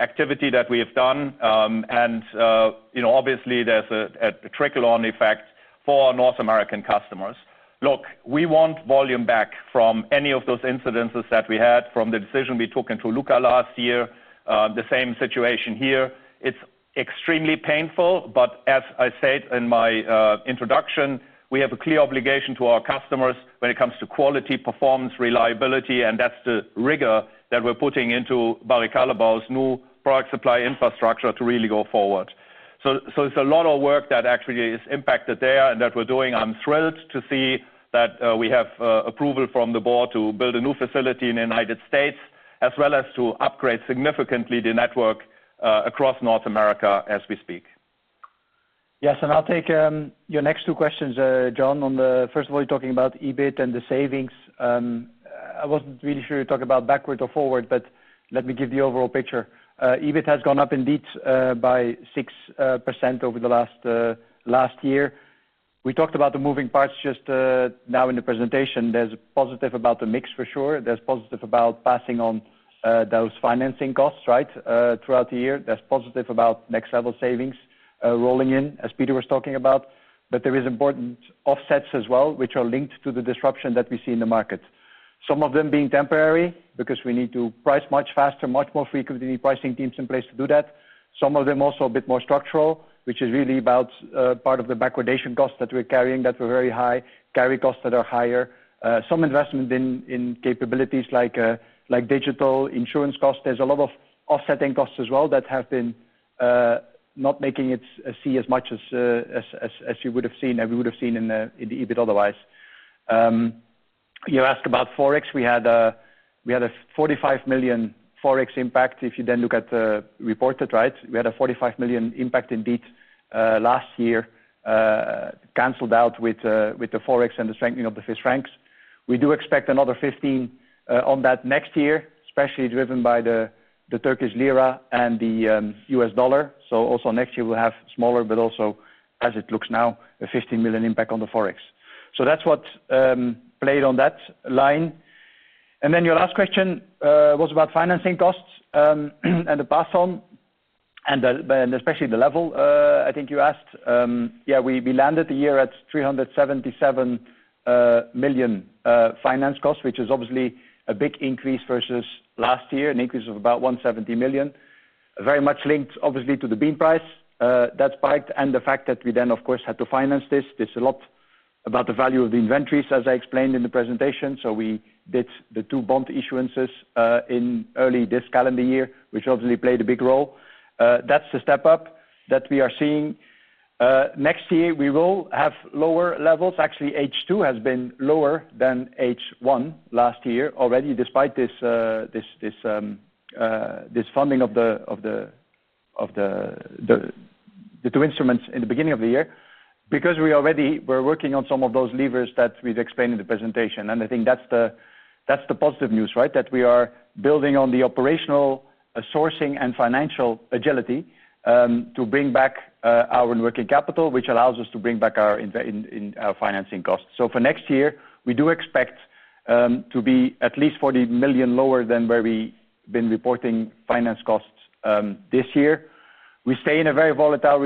activity that we have done. Obviously, there's a trickle-on effect for North American customers. Look, we want volume back from any of those incidences that we had from the decision we took in Toluca last year, the same situation here. It's extremely painful, but as I said in my introduction, we have a clear obligation to our customers when it comes to quality, performance, reliability, and that's the rigor that we're putting into Barry Callebaut's new product supply infrastructure to really go forward. It is a lot of work that actually is impacted there and that we're doing. I'm thrilled to see that we have approval from the board to build a new facility in the United States, as well as to upgrade significantly the network across North America as we speak. Yes, and I'll take your next two questions, Jon. First of all, you're talking about EBIT and the savings. I wasn't really sure you're talking about backward or forward, but let me give the overall picture. EBIT has gone up indeed by 6% over the last year. We talked about the moving parts just now in the presentation. There's positive about the mix, for sure. There's positive about passing on those financing costs, right, throughout the year. There's positive about next level savings rolling in, as Peter was talking about. There are important offsets as well, which are linked to the disruption that we see in the market. Some of them being temporary because we need to price much faster, much more frequently, pricing teams in place to do that. Some of them also a bit more structural, which is really about part of the backwardation costs that we're carrying that were very high, carry costs that are higher. Some investment in capabilities like digital insurance costs. There's a lot of offsetting costs as well that have been not making it see as much as you would have seen and we would have seen in the EBIT otherwise. You asked about Forex. We had a $45 million Forex impact if you then look at the reported, right? We had a $45 million impact indeed last year. Cancelled out with the Forex and the strengthening of the Swiss francs. We do expect another $15 million on that next year, especially driven by the Turkish lira and the US dollar. Also next year, we'll have smaller, but also, as it looks now, a $15 million impact on the Forex. That is what played on that line. Your last question was about financing costs and the pass-on. Especially the level, I think you asked. We landed the year at $377 million finance costs, which is obviously a big increase versus last year, an increase of about $170 million. Very much linked, obviously, to the bean price that spiked and the fact that we then, of course, had to finance this. There is a lot about the value of the inventories, as I explained in the presentation. We did the two bond issuances in early this calendar year, which obviously played a big role. That is the step-up that we are seeing. Next year, we will have lower levels. Actually, H2 has been lower than H1 last year already, despite this. Funding of the two instruments in the beginning of the year, because we already were working on some of those levers that we've explained in the presentation. I think that's the positive news, right, that we are building on the operational sourcing and financial agility to bring back our working capital, which allows us to bring back our financing costs. For next year, we do expect to be at least $40 million lower than where we've been reporting finance costs this year. We stay in a very volatile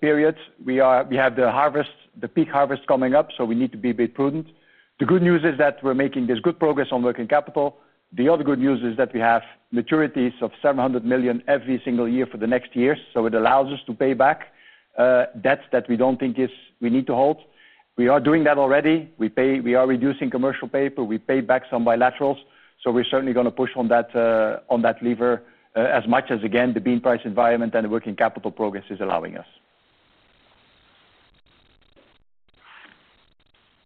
period. We have the peak harvest coming up, so we need to be a bit prudent. The good news is that we're making good progress on working capital. The other good news is that we have maturities of $700 million every single year for the next year. It allows us to pay back debts that we do not think we need to hold. We are doing that already. We are reducing commercial paper. We pay back some bilaterals. We are certainly going to push on that lever as much as, again, the bean price environment and the working capital progress is allowing us.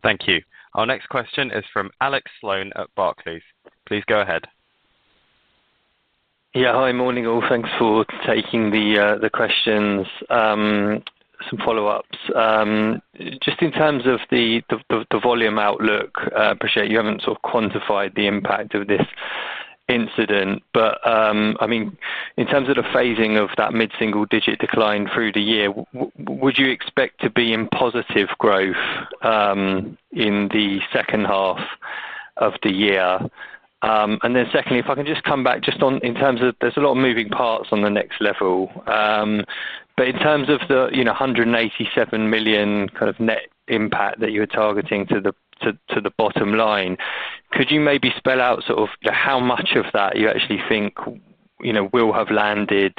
Thank you. Our next question is from Alex Sloane at Barclays. Please go ahead. Yeah, hi, morning all. Thanks for taking the questions. Some follow-ups. Just in terms of the volume outlook, I appreciate you have not sort of quantified the impact of this incident. I mean, in terms of the phasing of that mid-single-digit decline through the year, would you expect to be in positive growth in the second half of the year? Secondly, if I can just come back just in terms of there's a lot of moving parts on the next level. In terms of the $187 million kind of net impact that you were targeting to the bottom line, could you maybe spell out sort of how much of that you actually think will have landed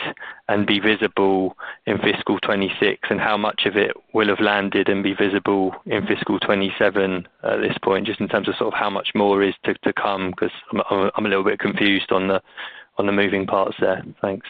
and be visible in fiscal 2026, and how much of it will have landed and be visible in fiscal 2027 at this point, just in terms of sort of how much more is to come? I am a little bit confused on the moving parts there. Thanks.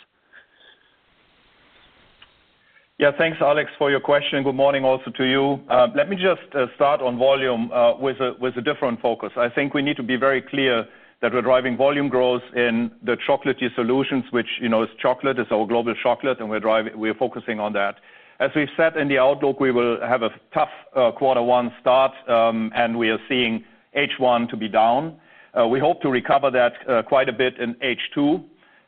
Yeah, thanks, Alex, for your question. Good morning also to you. Let me just start on volume with a different focus. I think we need to be very clear that we are driving volume growth in the chocolatey solutions, which is chocolate, is our global chocolate, and we are focusing on that. As we have said in the outlook, we will have a tough quarter one start, and we are seeing H1 to be down. We hope to recover that quite a bit in H2.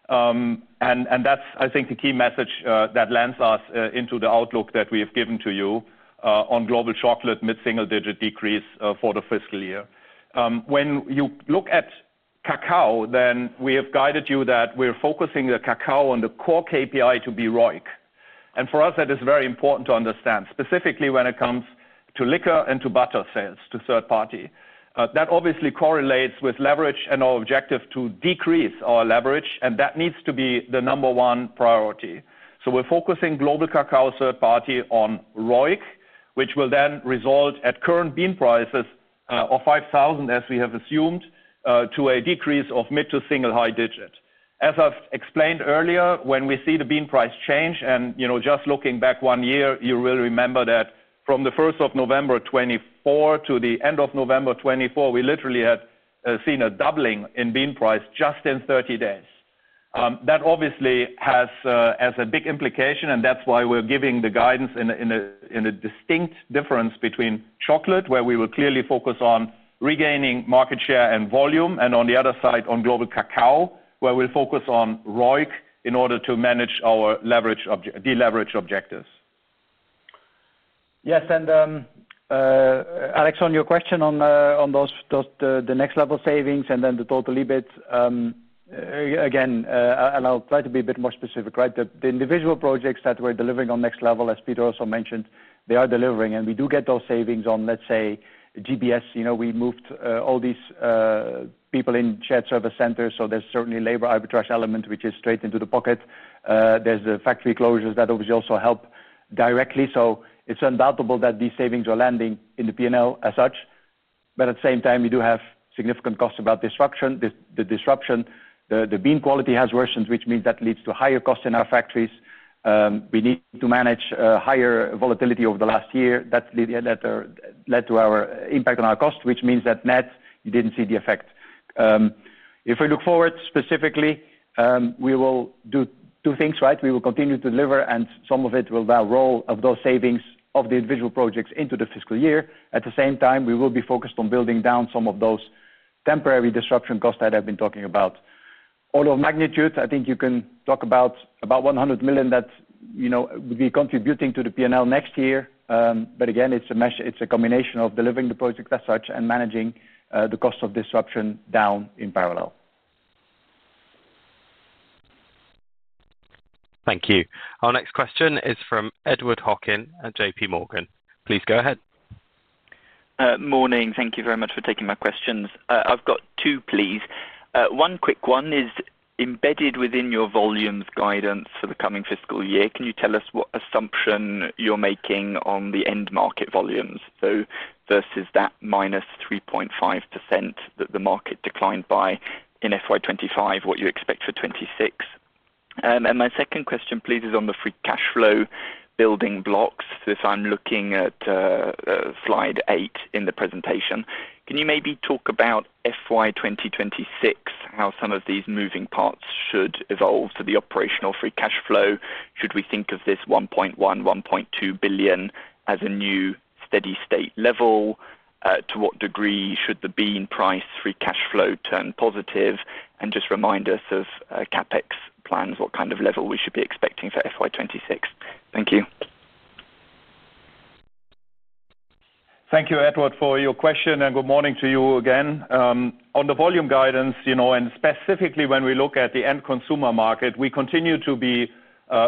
That is, I think, the key message that lands us into the outlook that we have given to you on global chocolate, mid-single-digit decrease for the fiscal year. When you look at. Cacao, then we have guided you that we're focusing the cacao on the core KPI to be ROIC. And for us, that is very important to understand, specifically when it comes to liquor and to butter sales, to third party. That obviously correlates with leverage and our objective to decrease our leverage, and that needs to be the number one priority. So we're focusing global cacao third party on ROIC, which will then result at current bean prices of 5,000, as we have assumed, to a decrease of mid- to single high digit. As I've explained earlier, when we see the bean price change, and just looking back one year, you will remember that from the 1st of November 2024 to the end of November 2024, we literally had seen a doubling in bean price just in 30 days. That obviously has a big implication, and that's why we're giving the guidance in a distinct difference between chocolate, where we will clearly focus on regaining market share and volume, and on the other side, on global cacao, where we'll focus on ROIC in order to manage our deleverage objectives. Yes, and Alex, on your question on the next level savings and then the total EBIT. Again, and I'll try to be a bit more specific, right? The individual projects that we're delivering on next level, as Peter also mentioned, they are delivering. And we do get those savings on, let's say, GBS. We moved all these. People in shared service centers. So there's certainly labor arbitrage element, which is straight into the pocket. There's the factory closures that obviously also help directly. So it's undoubtable that these savings are landing in the P&L as such. But at the same time, you do have significant costs about the disruption. The bean quality has worsened, which means that leads to higher costs in our factories. We need to manage higher volatility over the last year that. Led to our impact on our cost, which means that net, you didn't see the effect. If we look forward specifically, we will do two things, right? We will continue to deliver, and some of it will be a roll of those savings of the individual projects into the fiscal year. At the same time, we will be focused on building down some of those temporary disruption costs that I've been talking about. All of magnitude, I think you can talk about about $100 million that. Would be contributing to the P&L next year. But again, it's a combination of delivering the project as such and managing the cost of disruption down in parallel. Thank you. Our next question is from Edward Hockin at JPMorgan. Please go ahead. Morning. Thank you very much for taking my questions. I've got two, please. One quick one is embedded within your volumes guidance for the coming fiscal year. Can you tell us what assumption you're making on the end market volumes? Versus that -3.5% that the market declined by in FY 2025, what do you expect for 2026? My second question, please, is on the free cash flow building blocks. If I am looking at slide 8 in the presentation, can you maybe talk about FY 2026, how some of these moving parts should evolve? The operational free cash flow, should we think of this 1.1 billion-1.2 billion as a new steady state level? To what degree should the bean price free cash flow turn positive? Just remind us of CapEx plans, what kind of level we should be expecting for FY 2026. Thank you. Thank you, Edward, for your question, and good morning to you again. On the volume guidance, and specifically when we look at the end consumer market, we continue to be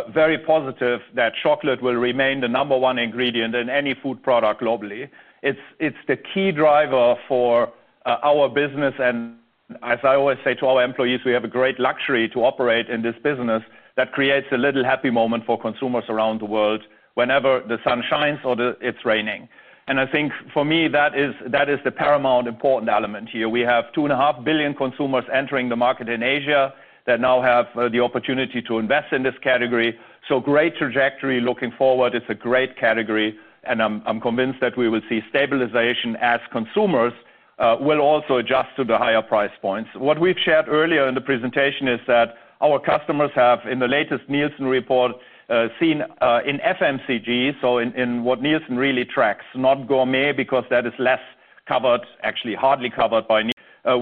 very positive that chocolate will remain the number one ingredient in any food product globally. It is the key driver for our business. As I always say to our employees, we have a great luxury to operate in this business that creates a little happy moment for consumers around the world whenever the sun shines or it is raining. For me, that is the paramount important element here. We have two and a half billion consumers entering the market in Asia that now have the opportunity to invest in this category. Great trajectory looking forward. It is a great category. I am convinced that we will see stabilization as consumers will also adjust to the higher price points. What we have shared earlier in the presentation is that our customers have, in the latest Nielsen report, seen in FMCG, so in what Nielsen really tracks, not gourmet, because that is less covered, actually hardly covered by them.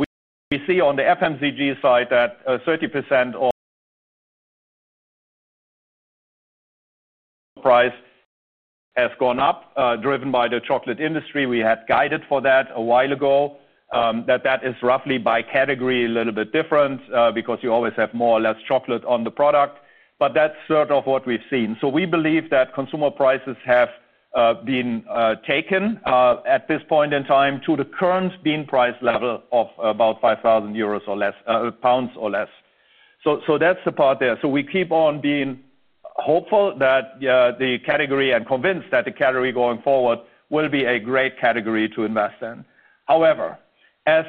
We see on the FMCG side that 30% price has gone up, driven by the chocolate industry. We had guided for that a while ago, that that is roughly by category a little bit different because you always have more or less chocolate on the product, but that is sort of what we have seen. We believe that consumer prices have been taken at this point in time to the current bean price level of about 5,000 euros or GBP 5,000 or less. That is the part there. We keep on being hopeful that the category, and convinced that the category going forward, will be a great category to invest in. However, as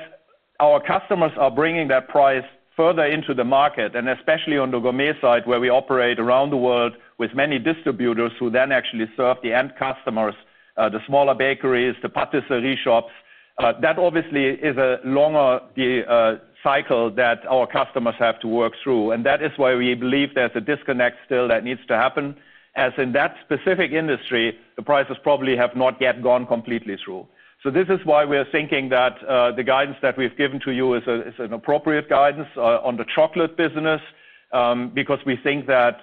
our customers are bringing that price further into the market, and especially on the gourmet side where we operate around the world with many distributors who then actually serve the end customers, the smaller bakeries, the patisserie shops, that obviously is a longer cycle that our customers have to work through. That is why we believe there is a disconnect still that needs to happen, as in that specific industry, the prices probably have not yet gone completely through. This is why we're thinking that the guidance that we've given to you is an appropriate guidance on the chocolate business. Because we think that.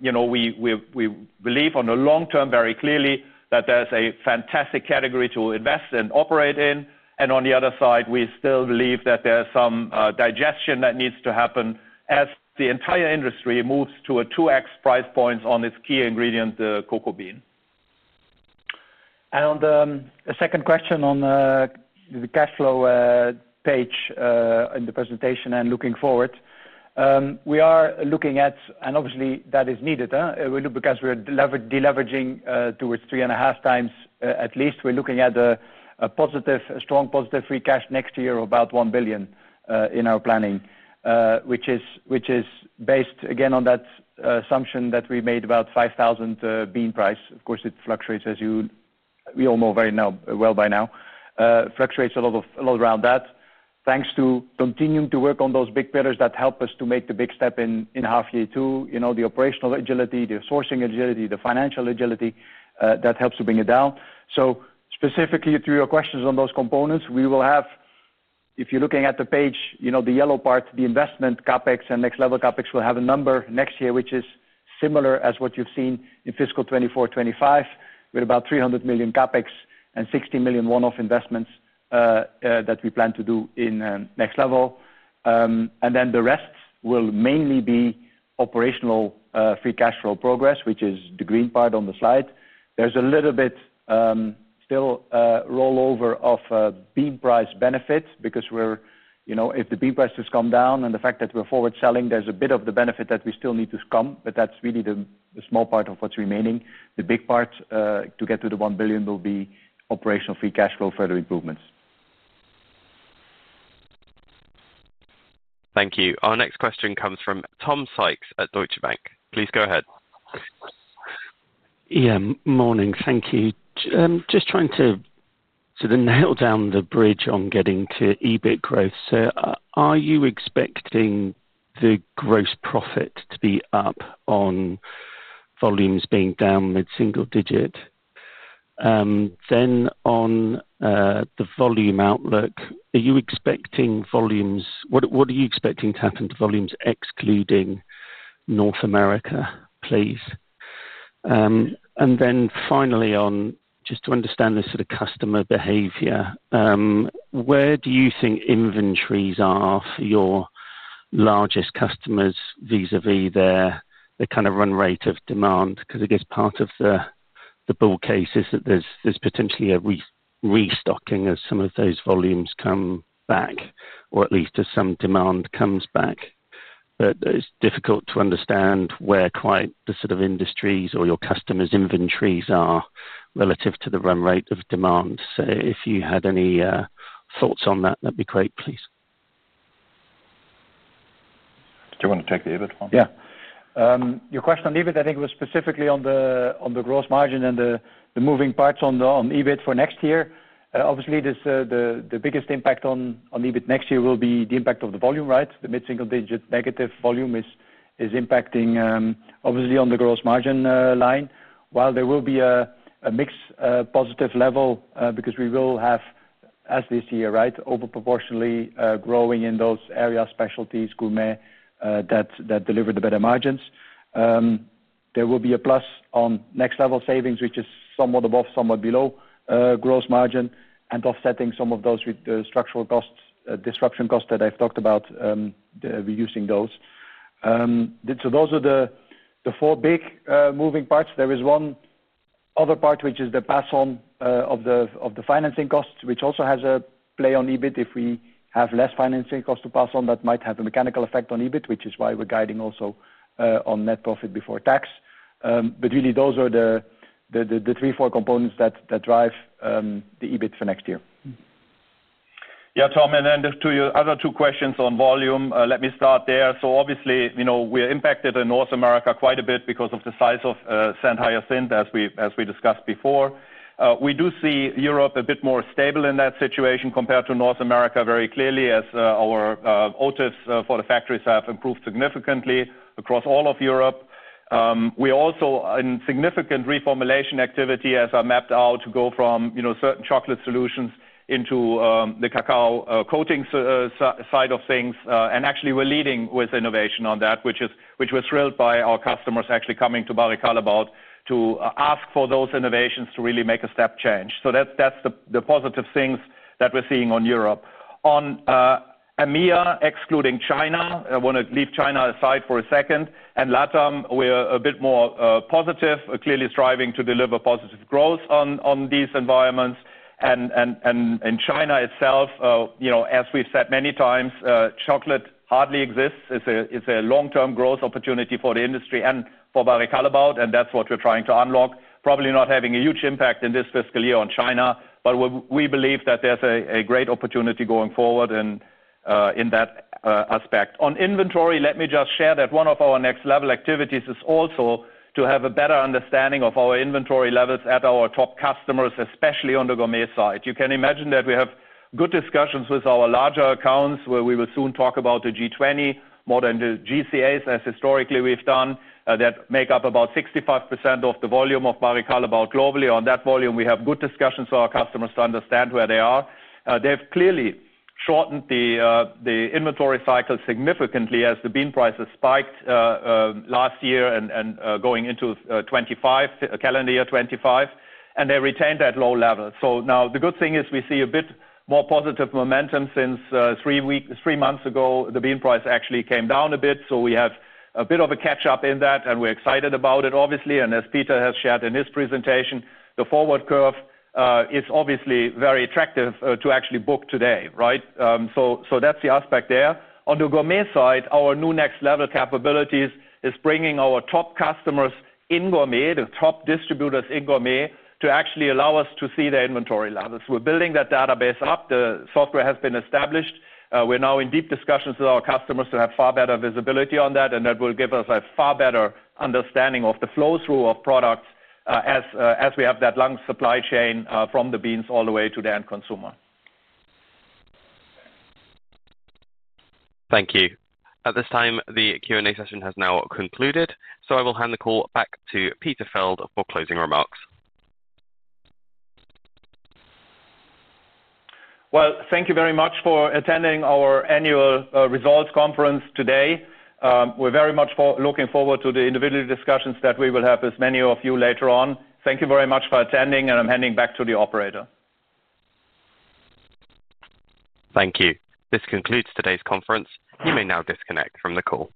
We believe on the long term, very clearly, that there's a fantastic category to invest and operate in. On the other side, we still believe that there's some digestion that needs to happen as the entire industry moves to a 2x price points on its key ingredient, the cocoa bean. On the second question on the cash flow page in the presentation and looking forward, we are looking at, and obviously that is needed, because we're deleveraging towards 3.5x at least, we're looking at a strong positive free cash next year of about 1 billion in our planning, which is based again on that assumption that we made about 5,000 bean price. Of course, it fluctuates, as you all know very well by now, fluctuates a lot around that. Thanks to continuing to work on those big pillars that help us to make the big step in half year two, the operational agility, the sourcing agility, the financial agility, that helps to bring it down. Specifically to your questions on those components, we will have, if you're looking at the page, the yellow part, the investment CapEx and Next Level CapEx, we'll have a number next year, which is similar as what you've seen in fiscal 2024/2025, with about 300 million CapEx and 60 million one-off investments that we plan to do in Next Level. The rest will mainly be operational free cash flow progress, which is the green part on the slide. There's a little bit still rollover of bean price benefit because if the bean price has come down and the fact that we're forward selling, there's a bit of the benefit that we still need to come, but that's really the small part of what's remaining. The big part to get to the 1 billion will be operational free cash flow further improvements. Thank you. Our next question comes from Tom Sykes at Deutsche Bank. Please go ahead. Yeah, morning. Thank you. Just trying to nail down the bridge on getting to EBIT growth. Are you expecting the gross profit to be up on volumes being down mid-single digit? Then on the volume outlook, are you expecting volumes, what are you expecting to happen to volumes excluding North America, please? Finally, just to understand this sort of customer behavior, where do you think inventories are for your largest customers vis-à-vis their kind of run rate of demand? Because I guess part of the bull case is that there's potentially a restocking as some of those volumes come back, or at least as some demand comes back. It's difficult to understand where quite the sort of industries or your customers' inventories are relative to the run rate of demand. If you had any thoughts on that, that'd be great, please. Do you want to take the EBIT one? Yeah. Your question on EBIT, I think it was specifically on the gross margin and the moving parts on EBIT for next year. Obviously, the biggest impact on EBIT next year will be the impact of the volume, right? The mid-single digit negative volume is impacting, obviously, on the gross margin line. While there will be a mixed positive level because we will have, as this year, right, overproportionately growing in those area specialties, gourmet, that deliver the better margins. There will be a plus on next level savings, which is somewhat above, somewhat below gross margin, and offsetting some of those with the structural costs, disruption costs that I've talked about. Using those. Those are the four big moving parts. There is one other part, which is the pass-on of the financing costs, which also has a play on EBIT. If we have less financing costs to pass on, that might have a mechanical effect on EBIT, which is why we're guiding also on net profit before tax. Really, those are the three or four components that drive the EBIT for next year. Yeah, Tom, and then there's two other questions on volume. Let me start there. Obviously, we're impacted in North America quite a bit because of the size of St. Hyacinthe, as we discussed before. We do see Europe a bit more stable in that situation compared to North America very clearly, as our motives for the factories have improved significantly across all of Europe. We are also in significant reformulation activity, as I mapped out, to go from certain chocolate solutions into the cacao coating side of things. Actually, we're leading with innovation on that, which was thrilled by our customers actually coming to Barry Callebaut to ask for those innovations to really make a step change. That's the positive things that we're seeing on Europe. On EMEA, excluding China, I want to leave China aside for a second. And LatAm, we're a bit more positive, clearly striving to deliver positive growth on these environments. In China itself, as we've said many times, chocolate hardly exists. It's a long-term growth opportunity for the industry and for Barry Callebaut, and that's what we're trying to unlock. Probably not having a huge impact in this fiscal year on China, but we believe that there's a great opportunity going forward in that aspect. On inventory, let me just share that one of our next level activities is also to have a better understanding of our inventory levels at our top customers, especially on the gourmet side. You can imagine that we have good discussions with our larger accounts, where we will soon talk about the G20, more than the GCAs, as historically we've done, that make up about 65% of the volume of Barry Callebaut globally. On that volume, we have good discussions for our customers to understand where they are. They have clearly shortened the inventory cycle significantly as the bean prices spiked last year and going into calendar year 2025, and they retained that low level. The good thing is we see a bit more positive momentum since three months ago, the bean price actually came down a bit. We have a bit of a catch-up in that, and we are excited about it, obviously. As Peter has shared in his presentation, the forward curve is obviously very attractive to actually book today, right? That is the aspect there. On the gourmet side, our new next level capabilities is bringing our top customers in gourmet, the top distributors in gourmet, to actually allow us to see their inventory levels. We are building that database up. The software has been established. We are now in deep discussions with our customers to have far better visibility on that, and that will give us a far better understanding of the flow-through of products as we have that long supply chain from the beans all the way to the end consumer. Thank you. At this time, the Q&A session has now concluded. I will hand the call back to Peter Feld for closing remarks. Thank you very much for attending our annual results conference today. We are very much looking forward to the individual discussions that we will have with many of you later on. Thank you very much for attending, and I am handing back to the operator. Thank you. This concludes today's conference. You may now disconnect from the call.